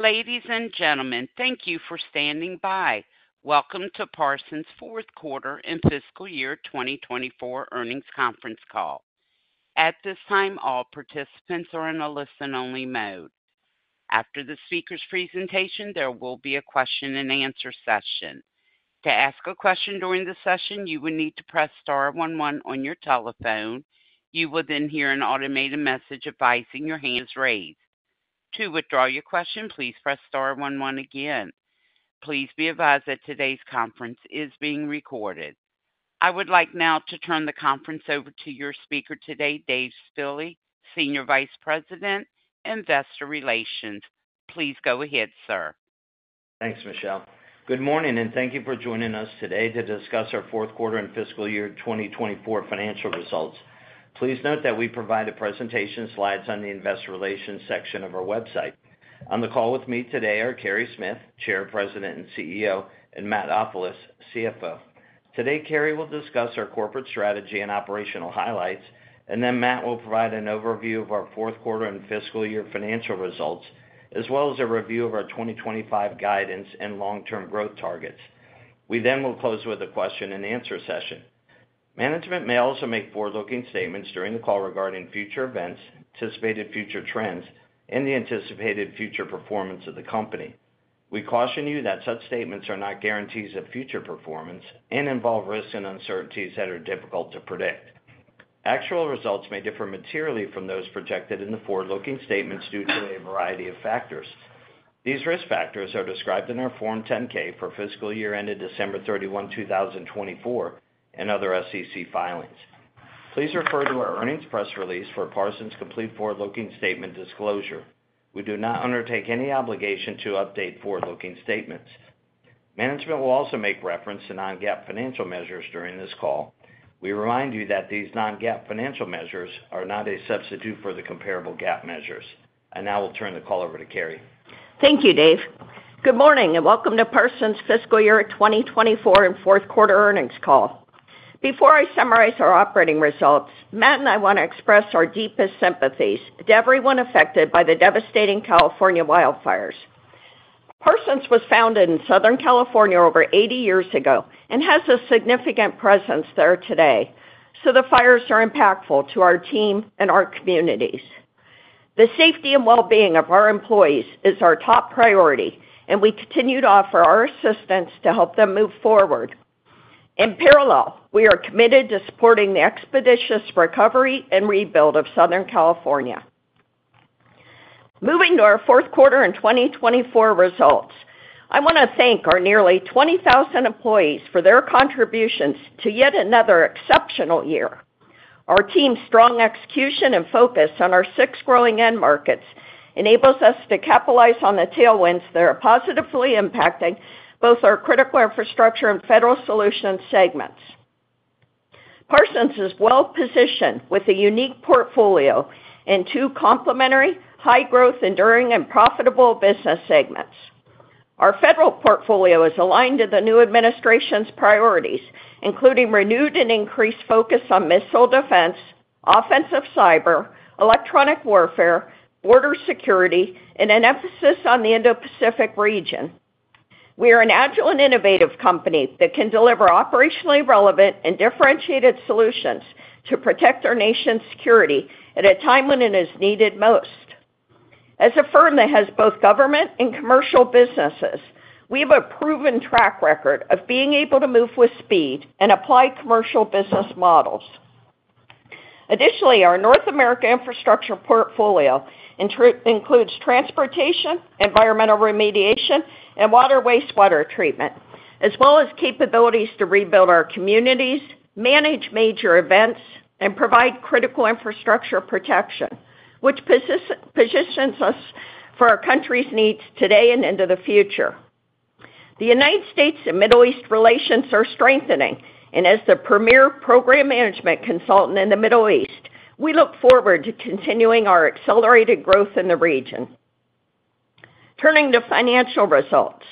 Ladies and gentlemen, thank you for standing by. Welcome to Parsons' Q4 and Fiscal Year 2024 Earnings Conference Call. At this time, all participants are in a listen-only mode. After the speaker's presentation, there will be a question-and-answer session. To ask a question during the session, you will need to press star one, one on your telephone. You will then hear an automated message advising your hand is raised. To withdraw your question, please press star one, one again. Please be advised that today's conference is being recorded. I would like now to turn the conference over to your speaker today, Dave Spille, Senior Vice President, Investor Relations. Please go ahead, sir. Thanks, Michelle. Good morning, and thank you for joining us today to discuss our Q4 and Fiscal Year 2024 Financial Results. Please note that we provide presentation slides on the Investor Relations section of our website. On the call with me today are Carey Smith, Chair, President, and CEO, and Matt Ofilos, CFO. Today, Carey will discuss our corporate strategy and operational highlights, and then Matt will provide an overview of our Q4 and fiscal year financial results, as well as a review of our 2025 guidance and long-term growth targets. We then will close with a question-and-answer session. Management may also make forward-looking statements during the call regarding future events, anticipated future trends, and the anticipated future performance of the company. We caution you that such statements are not guarantees of future performance and involve risks and uncertainties that are difficult to predict. Actual results may differ materially from those projected in the forward-looking statements due to a variety of factors. These risk factors are described in our Form 10-K for fiscal year ended 31 December 2024, and other SEC filings. Please refer to our earnings press release for Parsons' complete forward-looking statement disclosure. We do not undertake any obligation to update forward-looking statements. Management will also make reference to non-GAAP financial measures during this call. We remind you that these non-GAAP financial measures are not a substitute for the comparable GAAP measures, and now we'll turn the call over to Carey. Thank you, Dave. Good morning and welcome to Parsons' Fiscal Year 2024 and Q4 Earnings Call. Before I summarize our operating results, Matt and I want to express our deepest sympathies to everyone affected by the devastating California wildfires. Parsons was founded in Southern California over 80 years ago and has a significant presence there today, so the fires are impactful to our team and our communities. The safety and well-being of our employees is our top priority, and we continue to offer our assistance to help them move forward. In parallel, we are committed to supporting the expeditious recovery and rebuild of Southern California. Moving to our Q4 and 2024 results, I want to thank our nearly 20,000 employees for their contributions to yet another exceptional year. Our team's strong execution and focus on our six growing end markets enables us to capitalize on the tailwinds that are positively impacting both our critical infrastructure and Federal Solutions segments. Parsons is well-positioned with a unique portfolio and two complementary, high-growth, enduring, and profitable business segments. Our federal portfolio is aligned to the new administration's priorities, including renewed and increased focus on missile defense, offensive cyber, electronic warfare, border security, and an emphasis on the Indo-Pacific region. We are an agile and innovative company that can deliver operationally relevant and differentiated solutions to protect our nation's security at a time when it is needed most. As a firm that has both government and commercial businesses, we have a proven track record of being able to move with speed and apply commercial business models. Additionally, our North America infrastructure portfolio includes transportation, environmental remediation, and water wastewater treatment, as well as capabilities to rebuild our communities, manage major events, and provide critical infrastructure protection, which positions us for our country's needs today and into the future. The US and Middle East relations are strengthening, and as the premier program management consultant in the Middle East, we look forward to continuing our accelerated growth in the region. Turning to financial results,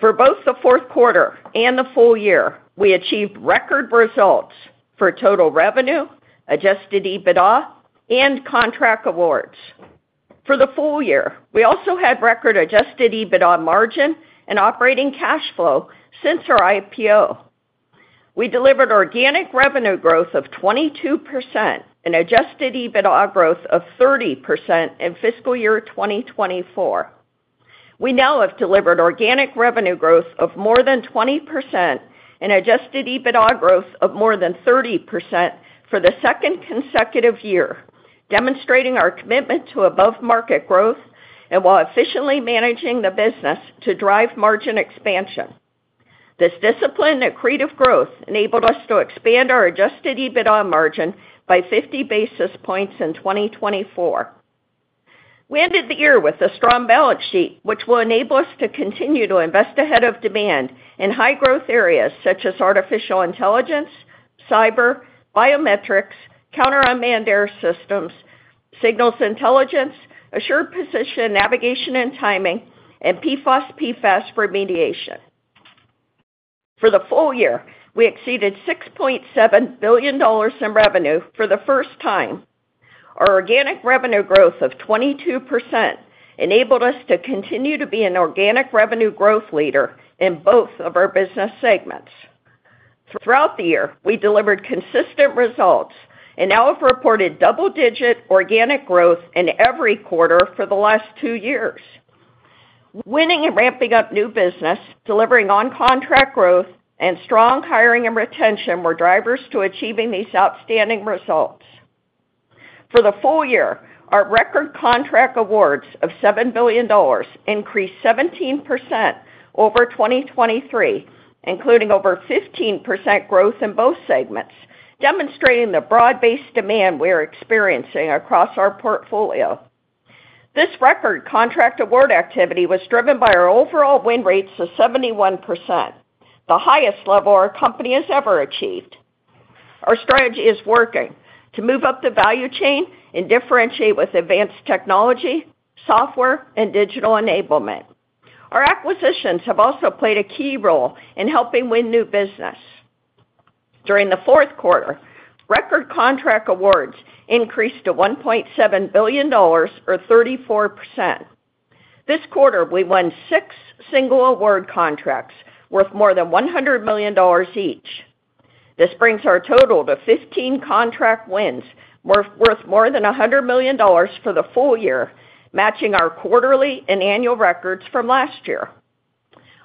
for both the Q4 and the full year, we achieved record results for total revenue, adjusted EBITDA, and contract awards. For the full year, we also had record adjusted EBITDA margin and operating cash flow since our IPO. We delivered organic revenue growth of 22% and adjusted EBITDA growth of 30% in fiscal year 2024. We now have delivered organic revenue growth of more than 20% and adjusted EBITDA growth of more than 30% for the second consecutive year, demonstrating our commitment to above-market growth and while efficiently managing the business to drive margin expansion. This discipline and creative growth enabled us to expand our adjusted EBITDA margin by 50 basis points in 2024. We ended the year with a strong balance sheet, which will enable us to continue to invest ahead of demand in high-growth areas such as artificial intelligence, cyber, biometrics, counter unmanned air systems, signals intelligence, assured position navigation and timing, and PFAS PFAS remediation. For the full year, we exceeded $6.7 billion in revenue for the first time. Our organic revenue growth of 22% enabled us to continue to be an organic revenue growth leader in both of our business segments. Throughout the year, we delivered consistent results and now have reported double-digit organic growth in every quarter for the last two years. Winning and ramping up new business, delivering on-contract growth, and strong hiring and retention were drivers to achieving these outstanding results. For the full year, our record contract awards of $7 billion increased 17% over 2023, including over 15% growth in both segments, demonstrating the broad-based demand we are experiencing across our portfolio. This record contract award activity was driven by our overall win rates of 71%, the highest level our company has ever achieved. Our strategy is working to move up the value chain and differentiate with advanced technology, software, and digital enablement. Our acquisitions have also played a key role in helping win new business. During the Q4, record contract awards increased to $1.7 billion, or 34%. This quarter, we won six single award contracts worth more than $100 million each. This brings our total to 15 contract wins worth more than $100 million for the full year, matching our quarterly and annual records from last year.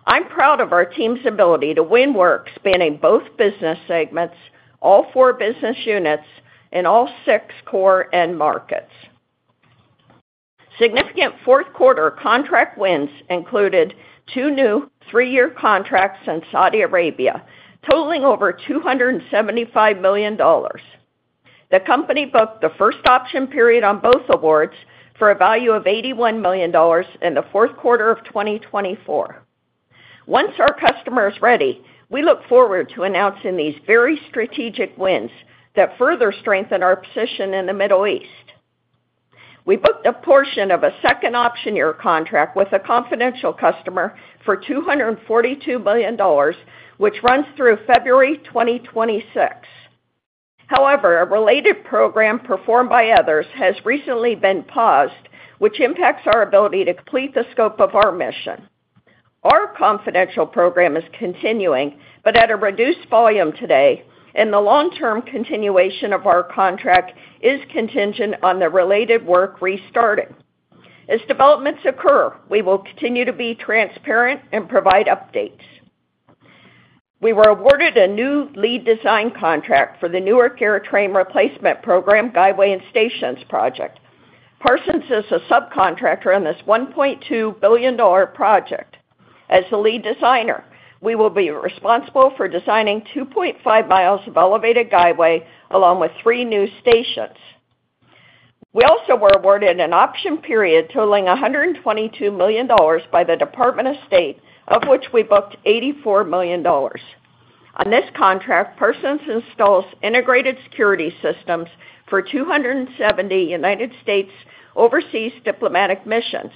I'm proud of our team's ability to win work spanning both business segments, all four business units, and all six core end markets. Significant Q4 contract wins included two new three-year contracts in Saudi Arabia, totaling over $275 million. The company booked the first option period on both awards for a value of $81 million in the Q4 of 2024. Once our customer is ready, we look forward to announcing these very strategic wins that further strengthen our position in the Middle East. We booked a portion of a second option year contract with a confidential customer for $242 million, which runs through February 2026. However, a related program performed by others has recently been paused, which impacts our ability to complete the scope of our mission. Our confidential program is continuing, but at a reduced volume today, and the long-term continuation of our contract is contingent on the related work restarting. As developments occur, we will continue to be transparent and provide updates. We were awarded a new lead design contract for the Newark AirTrain Replacement Program Guideway and Stations Project. Parsons is a subcontractor in this $1.2 billion project. As the lead designer, we will be responsible for designing 2.5 miles of elevated guideway along with three new stations. We also were awarded an option period totaling $122 million by the Department of State, of which we booked $84 million. On this contract, Parsons installs integrated security systems for 270 US overseas diplomatic missions.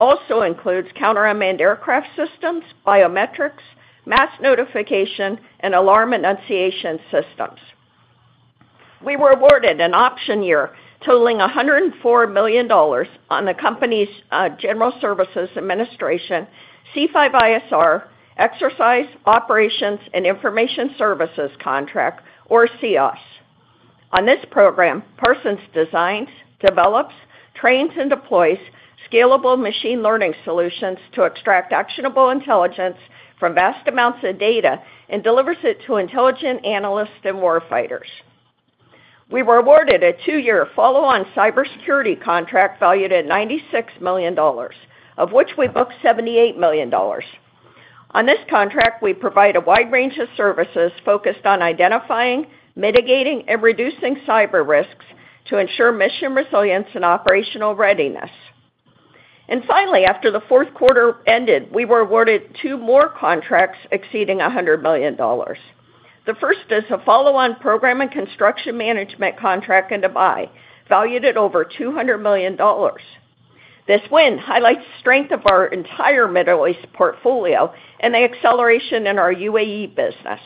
It also includes counter unmanned aircraft systems, biometrics, mass notification, and alarm enunciation systems. We were awarded an option year totaling $104 million on the company's General Services Administration C5ISR Exercise Operations and Information Services contract, or CEOIS. On this program, Parsons designs, develops, trains, and deploys scalable machine learning solutions to extract actionable intelligence from vast amounts of data and delivers it to intelligent analysts and war fighters. We were awarded a two-year follow-on cybersecurity contract valued at $96 million, of which we booked $78 million. On this contract, we provide a wide range of services focused on identifying, mitigating, and reducing cyber risks to ensure mission resilience and operational readiness, and finally, after the Q4 ended, we were awarded two more contracts exceeding $100 million. The first is a follow-on program and construction management contract in Dubai valued at over $200 million. This win highlights the strength of our entire Middle East portfolio and the acceleration in our UAE business.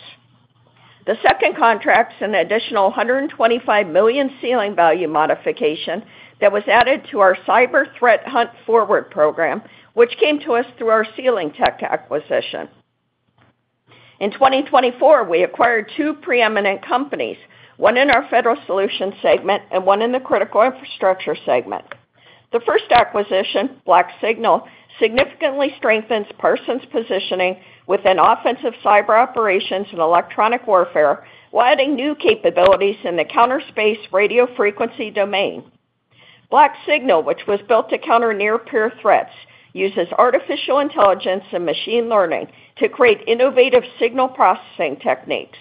The second contract is an additional $125 million ceiling value modification that was added to our Cyber Threat Hunt Forward Program, which came to us through our Sealing Technologies acquisition. In 2024, we acquired two preeminent companies, one in our Federal Solutions segment and one in the critical infrastructure segment. The first acquisition, BlackSignal, significantly strengthens Parsons' positioning within offensive cyber operations and electronic warfare, while adding new capabilities in the counterspace radio frequency domain. BlackSignal, which was built to counter near-peer threats, uses artificial intelligence and machine learning to create innovative signal processing techniques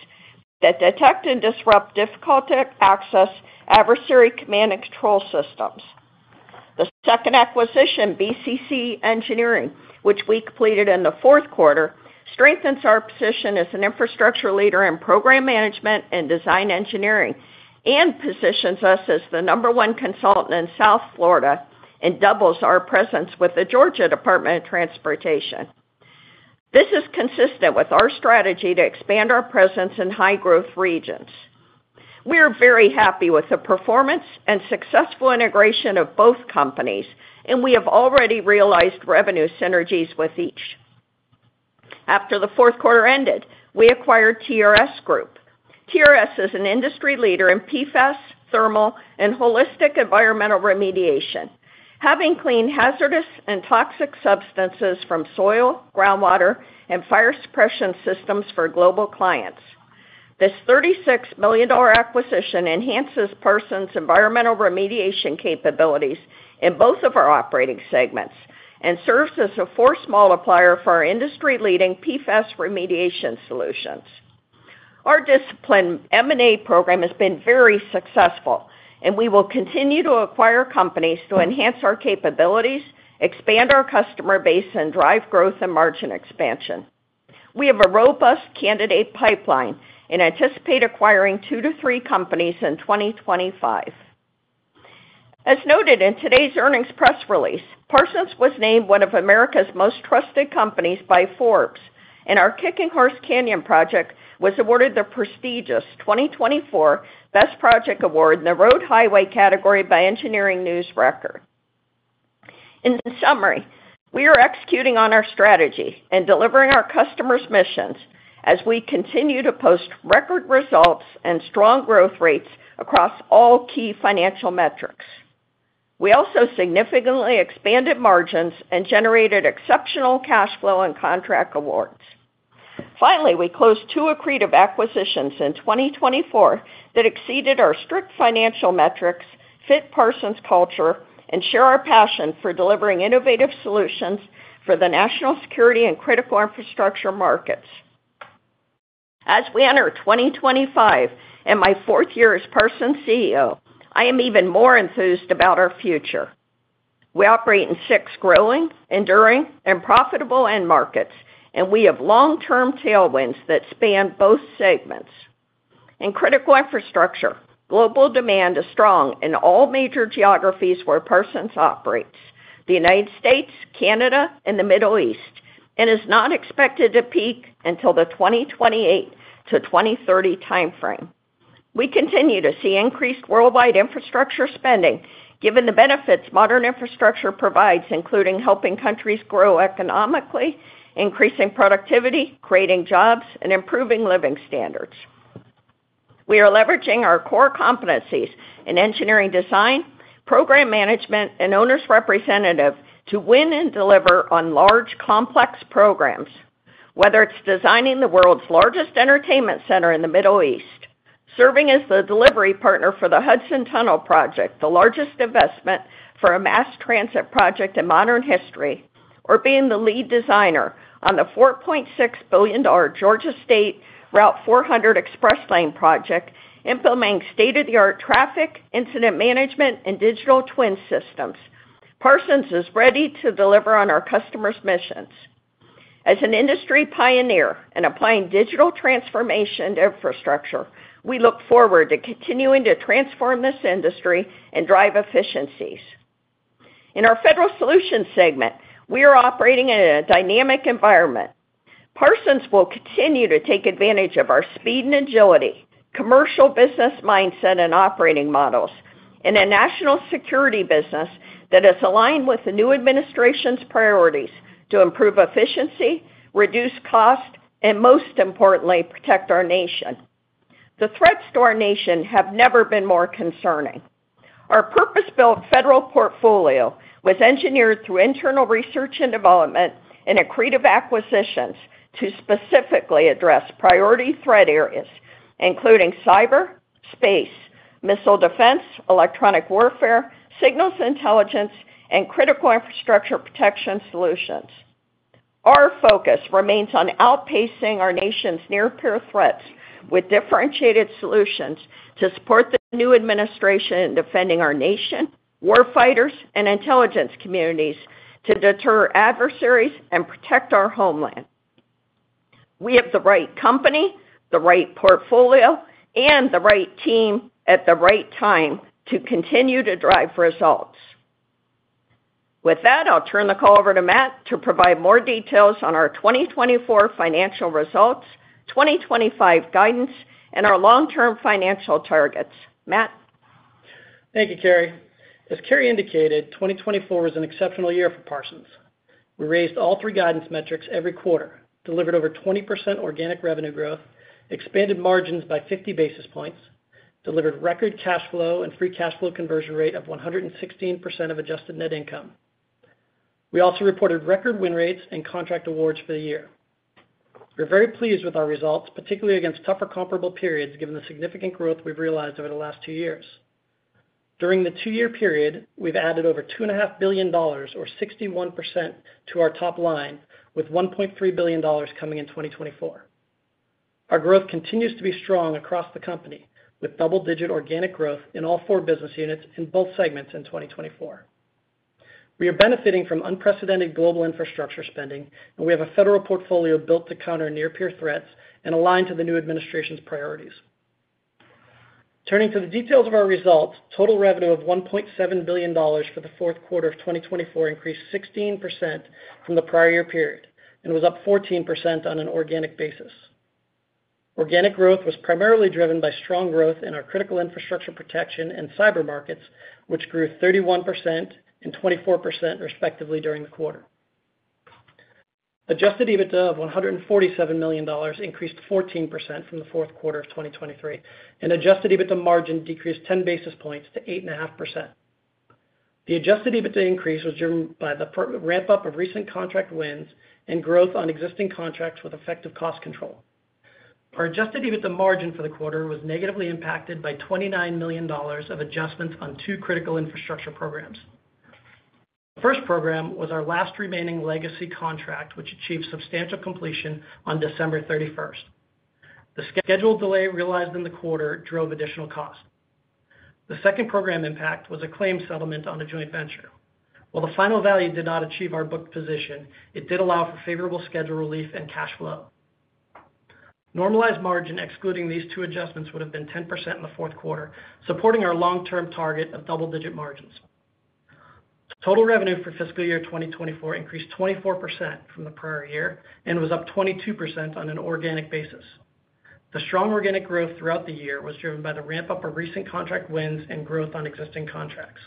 that detect and disrupt difficult-to-access adversary command and control systems. The second acquisition, BCC Engineering, which we completed in the Q4, strengthens our position as an infrastructure leader in program management and design engineering and positions us as the number one consultant in South Florida and doubles our presence with the Georgia Department of Transportation. This is consistent with our strategy to expand our presence in high-growth regions. We are very happy with the performance and successful integration of both companies, and we have already realized revenue synergies with each. After the Q4 ended, we acquired TRS Group. TRS is an industry leader in PFAS, thermal, and holistic environmental remediation, having cleaned hazardous and toxic substances from soil, groundwater, and fire suppression systems for global clients. This $36 million acquisition enhances Parsons' environmental remediation capabilities in both of our operating segments and serves as a force multiplier for our industry-leading PFAS remediation solutions. Our disciplined M&A program has been very successful, and we will continue to acquire companies to enhance our capabilities, expand our customer base, and drive growth and margin expansion. We have a robust candidate pipeline and anticipate acquiring two to three companies in 2025. As noted in today's earnings press release, Parsons was named one of America's most trusted companies by Forbes, and our Kicking Horse Canyon project was awarded the prestigious 2024 Best Project Award in the Road/Highway category by Engineering News-Record. In summary, we are executing on our strategy and delivering our customer's missions as we continue to post record results and strong growth rates across all key financial metrics. We also significantly expanded margins and generated exceptional cash flow and contract awards. Finally, we closed two accretive acquisitions in 2024 that exceeded our strict financial metrics, fit Parsons culture, and share our passion for delivering innovative solutions for the national security and critical infrastructure markets. As we enter 2025 and my fourth year as Parsons CEO, I am even more enthused about our future. We operate in six growing, enduring, and profitable end markets, and we have long-term tailwinds that span both segments. In critical infrastructure, global demand is strong in all major geographies where Parsons operates: the US, Canada, and the Middle East, and is not expected to peak until the 2028 to 2030 timeframe. We continue to see increased worldwide infrastructure spending, given the benefits modern infrastructure provides, including helping countries grow economically, increasing productivity, creating jobs, and improving living standards. We are leveraging our core competencies in engineering design, program management, and owners' representative to win and deliver on large, complex programs, whether it's designing the world's largest entertainment center in the Middle East, serving as the delivery partner for the Hudson Tunnel Project, the largest investment for a mass transit project in modern history, or being the lead designer on the $4.6 billion Georgia State Route 400 Express Lane project, implementing state-of-the-art traffic incident management and digital twin systems. Parsons is ready to deliver on our customer's missions. As an industry pioneer in applying digital transformation to infrastructure, we look forward to continuing to transform this industry and drive efficiencies. In our Federal Solutions segment, we are operating in a dynamic environment. Parsons will continue to take advantage of our speed and agility, commercial business mindset and operating models, and a national security business that is aligned with the new administration's priorities to improve efficiency, reduce cost, and most importantly, protect our nation. The threats to our nation have never been more concerning. Our purpose-built federal portfolio was engineered through internal research and development and accretive acquisitions to specifically address priority threat areas, including cyber, space, missile defense, electronic warfare, signals intelligence, and critical infrastructure protection solutions. Our focus remains on outpacing our nation's near-peer threats with differentiated solutions to support the new administration in defending our nation, war fighters, and intelligence communities to deter adversaries and protect our homeland. We have the right company, the right portfolio, and the right team at the right time to continue to drive results. With that, I'll turn the call over to Matt to provide more details on our 2024 financial results, 2025 guidance, and our long-term financial targets. Matt. Thank you, Carey. As Carey indicated, 2024 was an exceptional year for Parsons. We raised all three guidance metrics every quarter, delivered over 20% organic revenue growth, expanded margins by 50 basis points, delivered record cash flow and free cash flow conversion rate of 116% of adjusted net income. We also reported record win rates and contract awards for the year. We're very pleased with our results, particularly against tougher comparable periods given the significant growth we've realized over the last two years. During the two-year period, we've added over $2.5 billion, or 61%, to our top line, with $1.3 billion coming in 2024. Our growth continues to be strong across the company, with double-digit organic growth in all four business units in both segments in 2024. We are benefiting from unprecedented global infrastructure spending, and we have a federal portfolio built to counter near-peer threats and align to the new administration's priorities. Turning to the details of our results, total revenue of $1.7 billion for the Q4 of 2024 increased 16% from the prior year period and was up 14% on an organic basis. Organic growth was primarily driven by strong growth in our critical infrastructure protection and cyber markets, which grew 31% and 24% respectively during the quarter. Adjusted EBITDA of $147 million increased 14% from the Q4 of 2023, and adjusted EBITDA margin decreased 10 basis points to 8.5%. The adjusted EBITDA increase was driven by the ramp-up of recent contract wins and growth on existing contracts with effective cost control. Our adjusted EBITDA margin for the quarter was negatively impacted by $29 million of adjustments on two critical infrastructure programs. The first program was our last remaining legacy contract, which achieved substantial completion on December 31st. The scheduled delay realized in the quarter drove additional cost. The second program impact was a claim settlement on a joint venture. While the final value did not achieve our booked position, it did allow for favorable schedule relief and cash flow. Normalized margin excluding these two adjustments would have been 10% in the Q4, supporting our long-term target of double-digit margins. Total revenue for fiscal year 2024 increased 24% from the prior year and was up 22% on an organic basis. The strong organic growth throughout the year was driven by the ramp-up of recent contract wins and growth on existing contracts.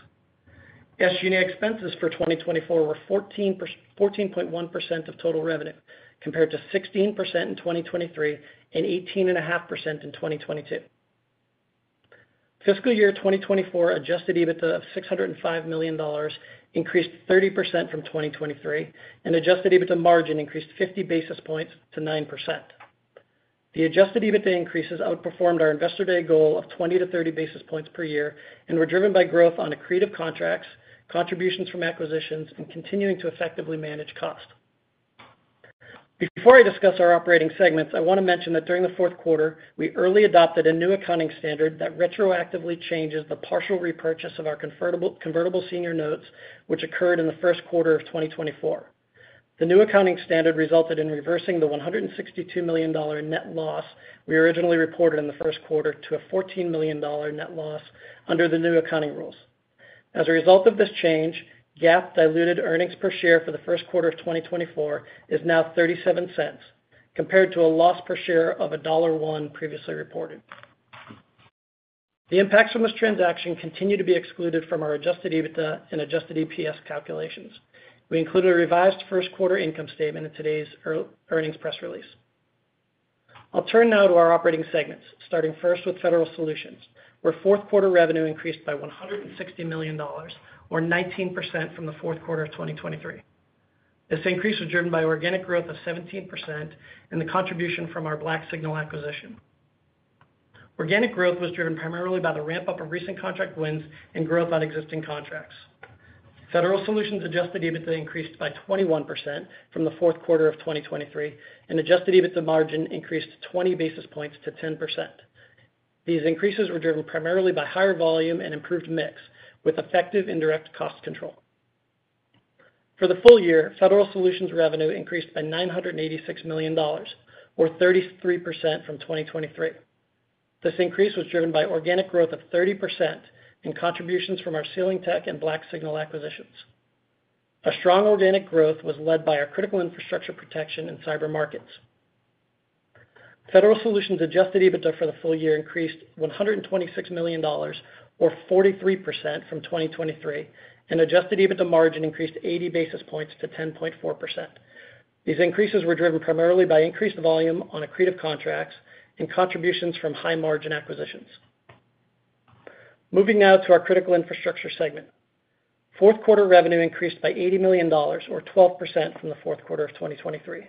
SG&A expenses for 2024 were 14.1% of total revenue, compared to 16% in 2023 and 18.5% in 2022. Fiscal year 2024 adjusted EBITDA of $605 million increased 30% from 2023, and adjusted EBITDA margin increased 50 basis points to 9%. The adjusted EBITDA increases outperformed our investor-day goal of 20 to 30 basis points per year and were driven by growth on accretive contracts, contributions from acquisitions, and continuing to effectively manage cost. Before I discuss our operating segments, I want to mention that during the Q4, we early adopted a new accounting standard that retroactively changes the partial repurchase of our convertible senior notes, which occurred in the Q1 of 2024. The new accounting standard resulted in reversing the $162 million net loss we originally reported in the Q1 to a $14 million net loss under the new accounting rules. As a result of this change, GAAP diluted earnings per share for the Q1 of 2024 is now $0.37, compared to a loss per share of $1.01 previously reported. The impacts from this transaction continue to be excluded from our adjusted EBITDA and adjusted EPS calculations. We included a revised Q1 income statement in today's earnings press release. I'll turn now to our operating segments, starting first with federal solutions, where Q4 revenue increased by $160 million, or 19% from the Q4 of 2023. This increase was driven by organic growth of 17% and the contribution from our Black Signal acquisition. Organic growth was driven primarily by the ramp-up of recent contract wins and growth on existing contracts. Federal Solutions Adjusted EBITDA increased by 21% from the Q4 of 2023, and Adjusted EBITDA margin increased 20 basis points to 10%. These increases were driven primarily by higher volume and improved mix, with effective indirect cost control. For the full year, Federal Solutions revenue increased by $986 million, or 33% from 2023. This increase was driven by organic growth of 30% and contributions from our Sealing Tech and BlackSignal Acquisitions. A strong organic growth was led by our critical infrastructure protection and cyber markets. Federal Solutions Adjusted EBITDA for the full year increased $126 million, or 43% from 2023, and Adjusted EBITDA margin increased 80 basis points to 10.4%. These increases were driven primarily by increased volume on accretive contracts and contributions from high-margin acquisitions. Moving now to our critical infrastructure segment. Q4 revenue increased by $80 million, or 12% from the Q4 of 2023.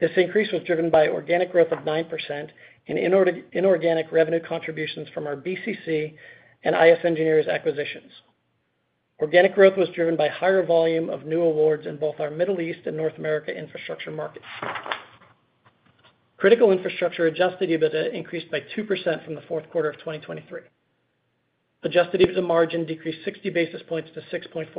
This increase was driven by organic growth of 9% and inorganic revenue contributions from our BCC and I.S. Engineers acquisitions. Organic growth was driven by higher volume of new awards in both our Middle East and North America infrastructure markets. Critical infrastructure adjusted EBITDA increased by 2% from the Q4 of 2023. Adjusted EBITDA margin decreased 60 basis points to 6.4%.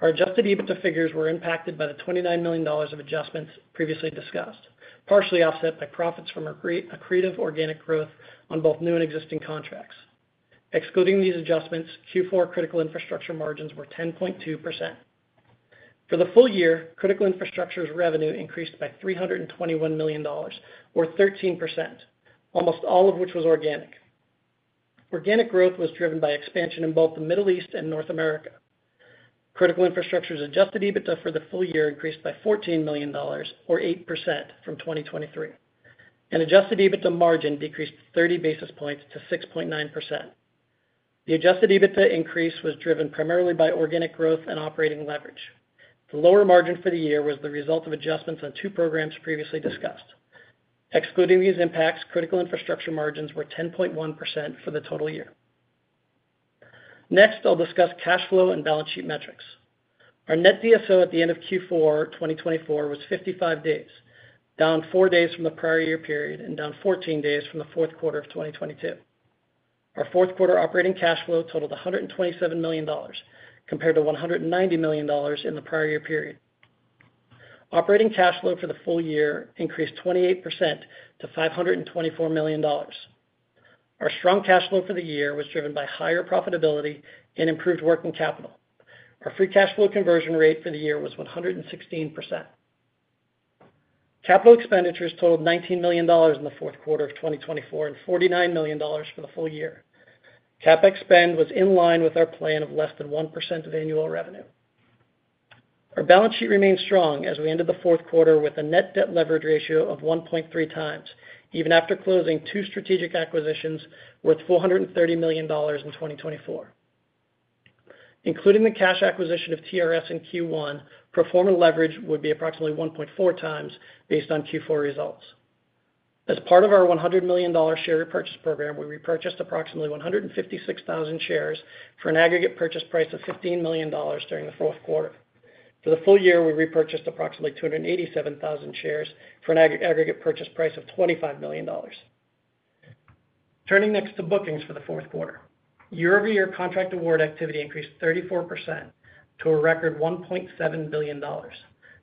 Our adjusted EBITDA figures were impacted by the $29 million of adjustments previously discussed, partially offset by profits from accretive organic growth on both new and existing contracts. Excluding these adjustments, Q4 critical infrastructure margins were 10.2%. For the full year, critical infrastructure's revenue increased by $321 million, or 13%, almost all of which was organic. Organic growth was driven by expansion in both the Middle East and North America. Critical infrastructure's adjusted EBITDA for the full year increased by $14 million, or 8% from 2023, and adjusted EBITDA margin decreased 30 basis points to 6.9%. The adjusted EBITDA increase was driven primarily by organic growth and operating leverage. The lower margin for the year was the result of adjustments on two programs previously discussed. Excluding these impacts, critical infrastructure margins were 10.1% for the total year. Next, I'll discuss cash flow and balance sheet metrics. Our net DSO at the end of Q4 2024 was 55 days, down 4 days from the prior year period and down 14 days from the Q4 of 2022. Our Q4 operating cash flow totaled $127 million, compared to $190 million in the prior year period. Operating cash flow for the full year increased 28% to $524 million. Our strong cash flow for the year was driven by higher profitability and improved working capital. Our free cash flow conversion rate for the year was 116%. Capital expenditures totaled $19 million in the Q4 of 2024 and $49 million for the full year. CapEx spend was in line with our plan of less than 1% of annual revenue. Our balance sheet remained strong as we ended the Q4 with a net debt leverage ratio of 1.3 times, even after closing two strategic acquisitions worth $430 million in 2024. Including the cash acquisition of TRS in Q1, performance leverage would be approximately 1.4 times based on Q4 results. As part of our $100 million share repurchase program, we repurchased approximately 156,000 shares for an aggregate purchase price of $15 million during the Q4. For the full year, we repurchased approximately 287,000 shares for an aggregate purchase price of $25 million. Turning next to bookings for the Q4, year-over-year contract award activity increased 34% to a record $1.7 billion,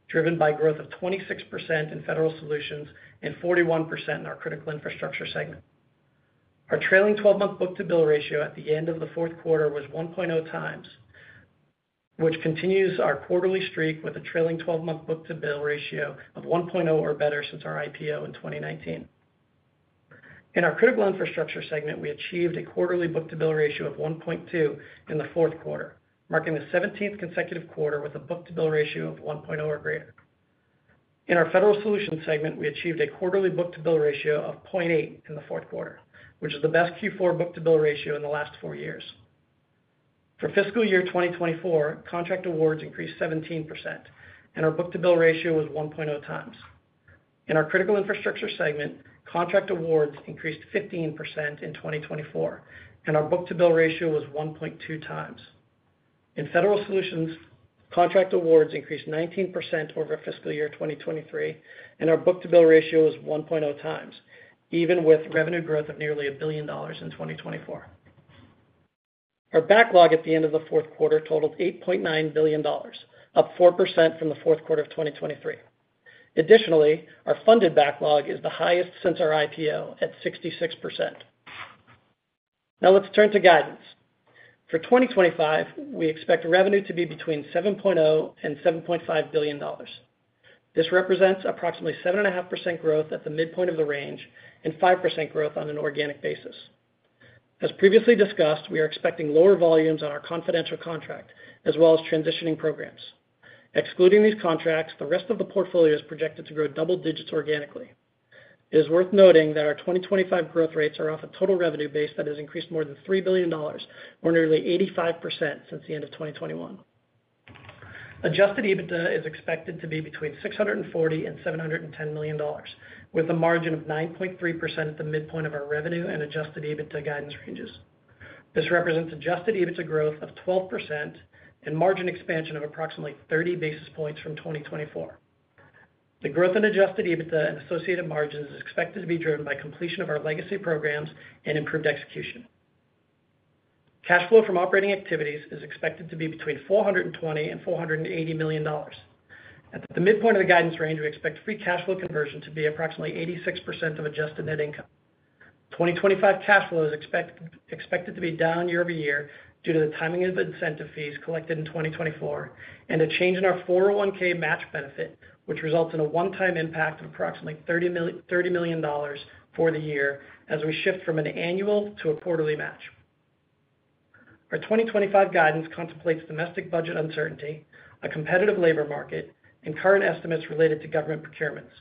driven by growth of 26% in federal solutions and 41% in our critical infrastructure book-to-bill ratio at the end of the Q4 was 1.0 times, which continues our quarterly streak book-to-bill ratio of 1.0 or better since our IPO in 2019. In our critical infrastructure segment, book-to-bill ratio of 1.2 in the Q4, marking the 17th book-to-bill ratio of 1.0 or greater. In our Federal Solutions segment, book-to-bill ratio of 0.8 in the Q4, which book-to-bill ratio in the last four years. For fiscal year 2024, contract awards book-to-bill ratio was 1.0 times. in our critical infrastructure segment, contract awards increased 15% book-to-bill ratio was 1.2 times. in federal solutions, contract awards increased 19% over fiscal book-to-bill ratio was 1.0 times, even with revenue growth of nearly $1 billion in 2024. Our backlog at the end of the Q4 totaled $8.9 billion, up 4% from the Q4 of 2023. Additionally, our funded backlog is the highest since our IPO at 66%. Now let's turn to guidance. For 2025, we expect revenue to be between $7.0 and $7.5 billion. This represents approximately 7.5% growth at the midpoint of the range and 5% growth on an organic basis. As previously discussed, we are expecting lower volumes on our confidential contract as well as transitioning programs. Excluding these contracts, the rest of the portfolio is projected to grow double digits organically. It is worth noting that our 2025 growth rates are off a total revenue base that has increased more than $3 billion, or nearly 85% since the end of 2021. Adjusted EBITDA is expected to be between $640-$710 million, with a margin of 9.3% at the midpoint of our revenue and adjusted EBITDA guidance ranges. This represents adjusted EBITDA growth of 12% and margin expansion of approximately 30 basis points from 2024. The growth in adjusted EBITDA and associated margins is expected to be driven by completion of our legacy programs and improved execution. Cash flow from operating activities is expected to be between $420-$480 million. At the midpoint of the guidance range, we expect free cash flow conversion to be approximately 86% of adjusted net income. 2025 cash flow is expected to be down year-over-year due to the timing of incentive fees collected in 2024 and a change in our 401(k) match benefit, which results in a one-time impact of approximately $30 million for the year as we shift from an annual to a quarterly match. Our 2025 guidance contemplates domestic budget uncertainty, a competitive labor market, and current estimates related to government procurements.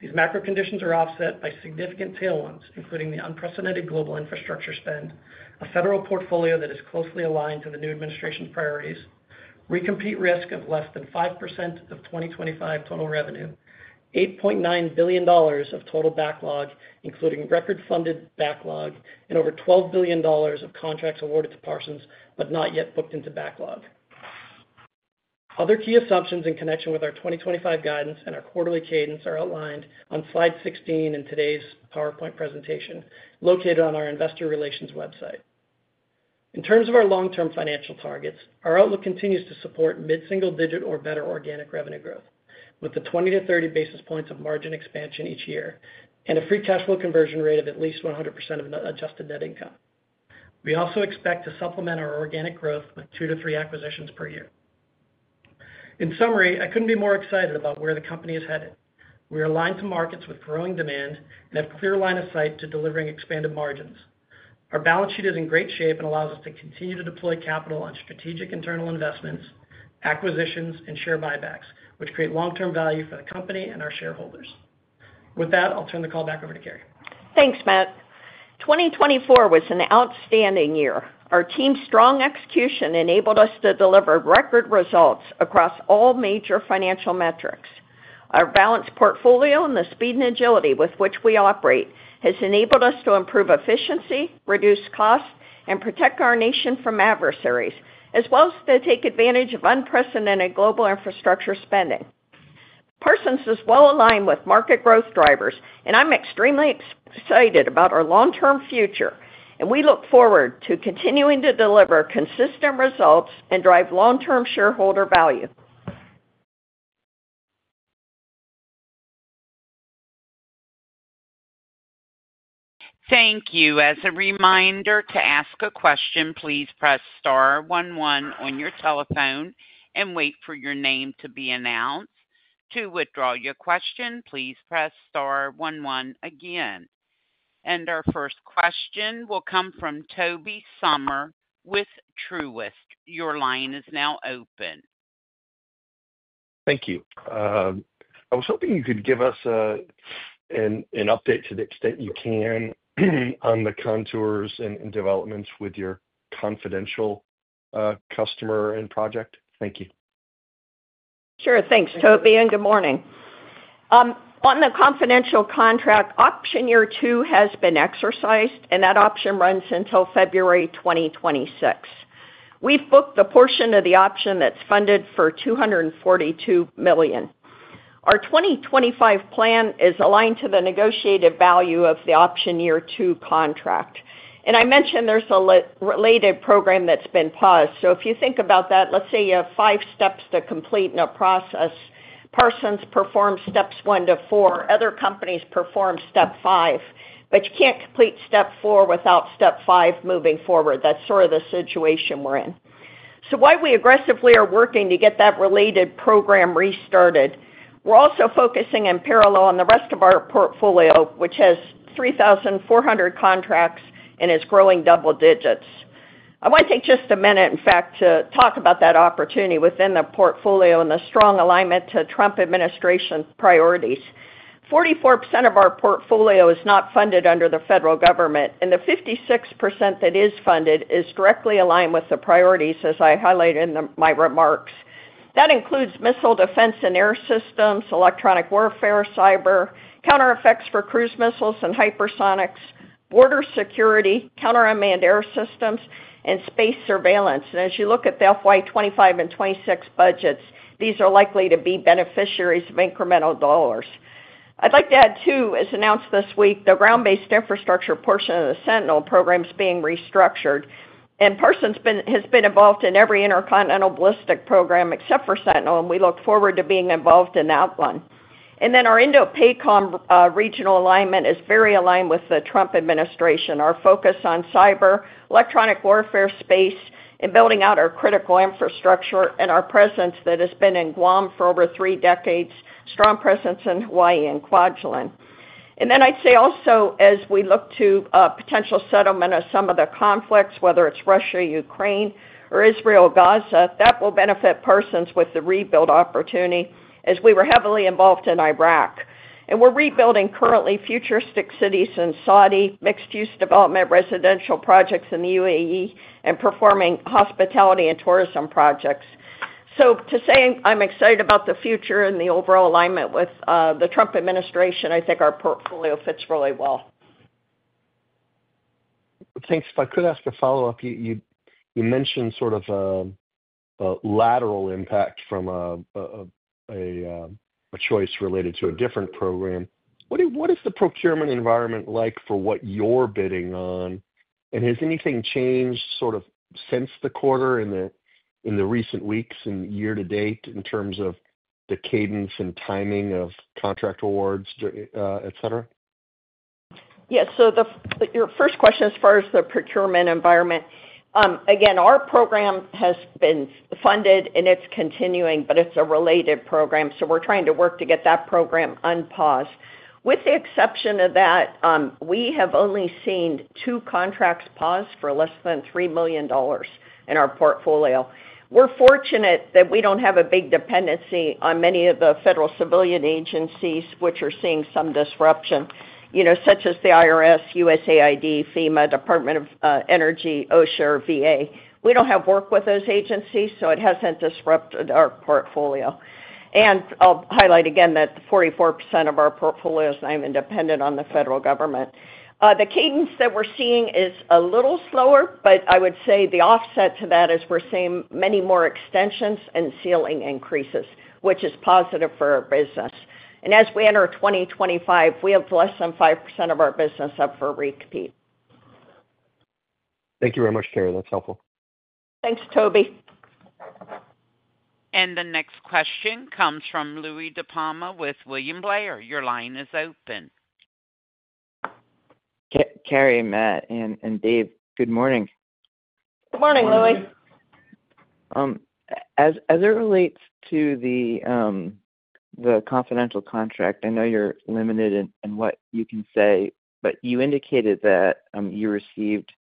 These macro conditions are offset by significant tailwinds, including the unprecedented global infrastructure spend, a federal portfolio that is closely aligned to the new administration's priorities, recompete risk of less than 5% of 2025 total revenue, $8.9 billion of total backlog, including record-funded backlog, and over $12 billion of contracts awarded to Parsons but not yet booked into backlog. Other key assumptions in connection with our 2025 guidance and our quarterly cadence are outlined on slide 16 in today's PowerPoint presentation, located on our investor relations website. In terms of our long-term financial targets, our outlook continues to support mid-single digit or better organic revenue growth, with a 20-30 basis points of margin expansion each year and a free cash flow conversion rate of at least 100% of adjusted net income. We also expect to supplement our organic growth with two to three acquisitions per year. In summary, I couldn't be more excited about where the company is headed. We are aligned to markets with growing demand and have a clear line of sight to delivering expanded margins. Our balance sheet is in great shape and allows us to continue to deploy capital on strategic internal investments, acquisitions, and share buybacks, which create long-term value for the company and our shareholders. With that, I'll turn the call back over to Carey. Thanks, Matt. 2024 was an outstanding year. Our team's strong execution enabled us to deliver record results across all major financial metrics. Our balanced portfolio and the speed and agility with which we operate has enabled us to improve efficiency, reduce costs, and protect our nation from adversaries, as well as to take advantage of unprecedented global infrastructure spending. Parsons is well aligned with market growth drivers, and I'm extremely excited about our long-term future. We look forward to continuing to deliver consistent results and drive long-term shareholder value. Thank you. As a reminder, to ask a question, please press star one, one on your telephone and wait for your name to be announced. To withdraw your question, please press star one, one again. And our first question will come from Tobey Sommer with Truist. Your line is now open. Thank you. I was hoping you could give us an update to the extent you can on the contours and developments with your confidential customer and project. Thank you. Sure. Thanks, Toby, and good morning. On the confidential contract, option year two has been exercised, and that option runs until February 2026. We've booked the portion of the option that's funded for $242 million. Our 2025 plan is aligned to the negotiated value of the option year two contract. And I mentioned there's a related program that's been paused. So if you think about that, let's say you have five steps to complete in a process. Parsons performs steps one to four. Other companies perform step five, but you can't complete step four without step five moving forward. That's sort of the situation we're in. So while we aggressively are working to get that related program restarted, we're also focusing in parallel on the rest of our portfolio, which has 3,400 contracts and is growing double digits. I want to take just a minute, in fact, to talk about that opportunity within the portfolio and the strong alignment to Trump administration priorities. 44% of our portfolio is not funded under the federal government, and the 56% that is funded is directly aligned with the priorities, as I highlighted in my remarks. That includes missile defense and air systems, electronic warfare, cyber, counter effects for cruise missiles and hypersonics, border security, counter unmanned air systems, and space surveillance. And as you look at the FY 25 and 26 budgets, these are likely to be beneficiaries of incremental dollars. I'd like to add, too, as announced this week, the ground-based infrastructure portion of the Sentinel program is being restructured. And Parsons has been involved in every intercontinental ballistic program except for Sentinel, and we look forward to being involved in that one. And then our INDOPACOM regional alignment is very aligned with the Trump administration. Our focus on cyber, electronic warfare space, and building out our critical infrastructure and our presence that has been in Guam for over three decades, strong presence in Hawaii and Kwajalein. And then I'd say also, as we look to potential settlement of some of the conflicts, whether it's Russia, Ukraine, or Israel, Gaza, that will benefit Parsons with the rebuild opportunity, as we were heavily involved in Iraq. And we're rebuilding currently futuristic cities in Saudi, mixed-use development, residential projects in the UAE, and performing hospitality and tourism projects. So to say I'm excited about the future and the overall alignment with the Trump administration, I think our portfolio fits really well. Thanks. If I could ask a follow-up, you mentioned sort of a lateral impact from a choice related to a different program. What is the procurement environment like for what you're bidding on? And has anything changed sort of since the quarter in the recent weeks and year-to-date in terms of the cadence and timing of contract awards, etc.? Yes. So, your first question as far as the procurement environment: again, our program has been funded and it's continuing, but it's a related program. So, we're trying to work to get that program unpaused. With the exception of that, we have only seen two contracts paused for less than $3 million in our portfolio. We're fortunate that we don't have a big dependency on many of the federal civilian agencies, which are seeing some disruption, such as the IRS, USAID, FEMA, Department of Energy, OSHA, or VA. We don't have work with those agencies, so it hasn't disrupted our portfolio. And I'll highlight again that 44% of our portfolio is now independent on the federal government. The cadence that we're seeing is a little slower, but I would say the offset to that is we're seeing many more extensions and ceiling increases, which is positive for our business. As we enter 2025, we have less than 5% of our business up for recompete. Thank you very much, Carey. That's helpful. Thanks, Toby. The next question comes from Louie DiPalma with William Blair. Your line is open. Carey, Matt, and Dave, good morning. Good morning, Louie. As it relates to the confidential contract, I know you're limited in what you can say, but you indicated that you received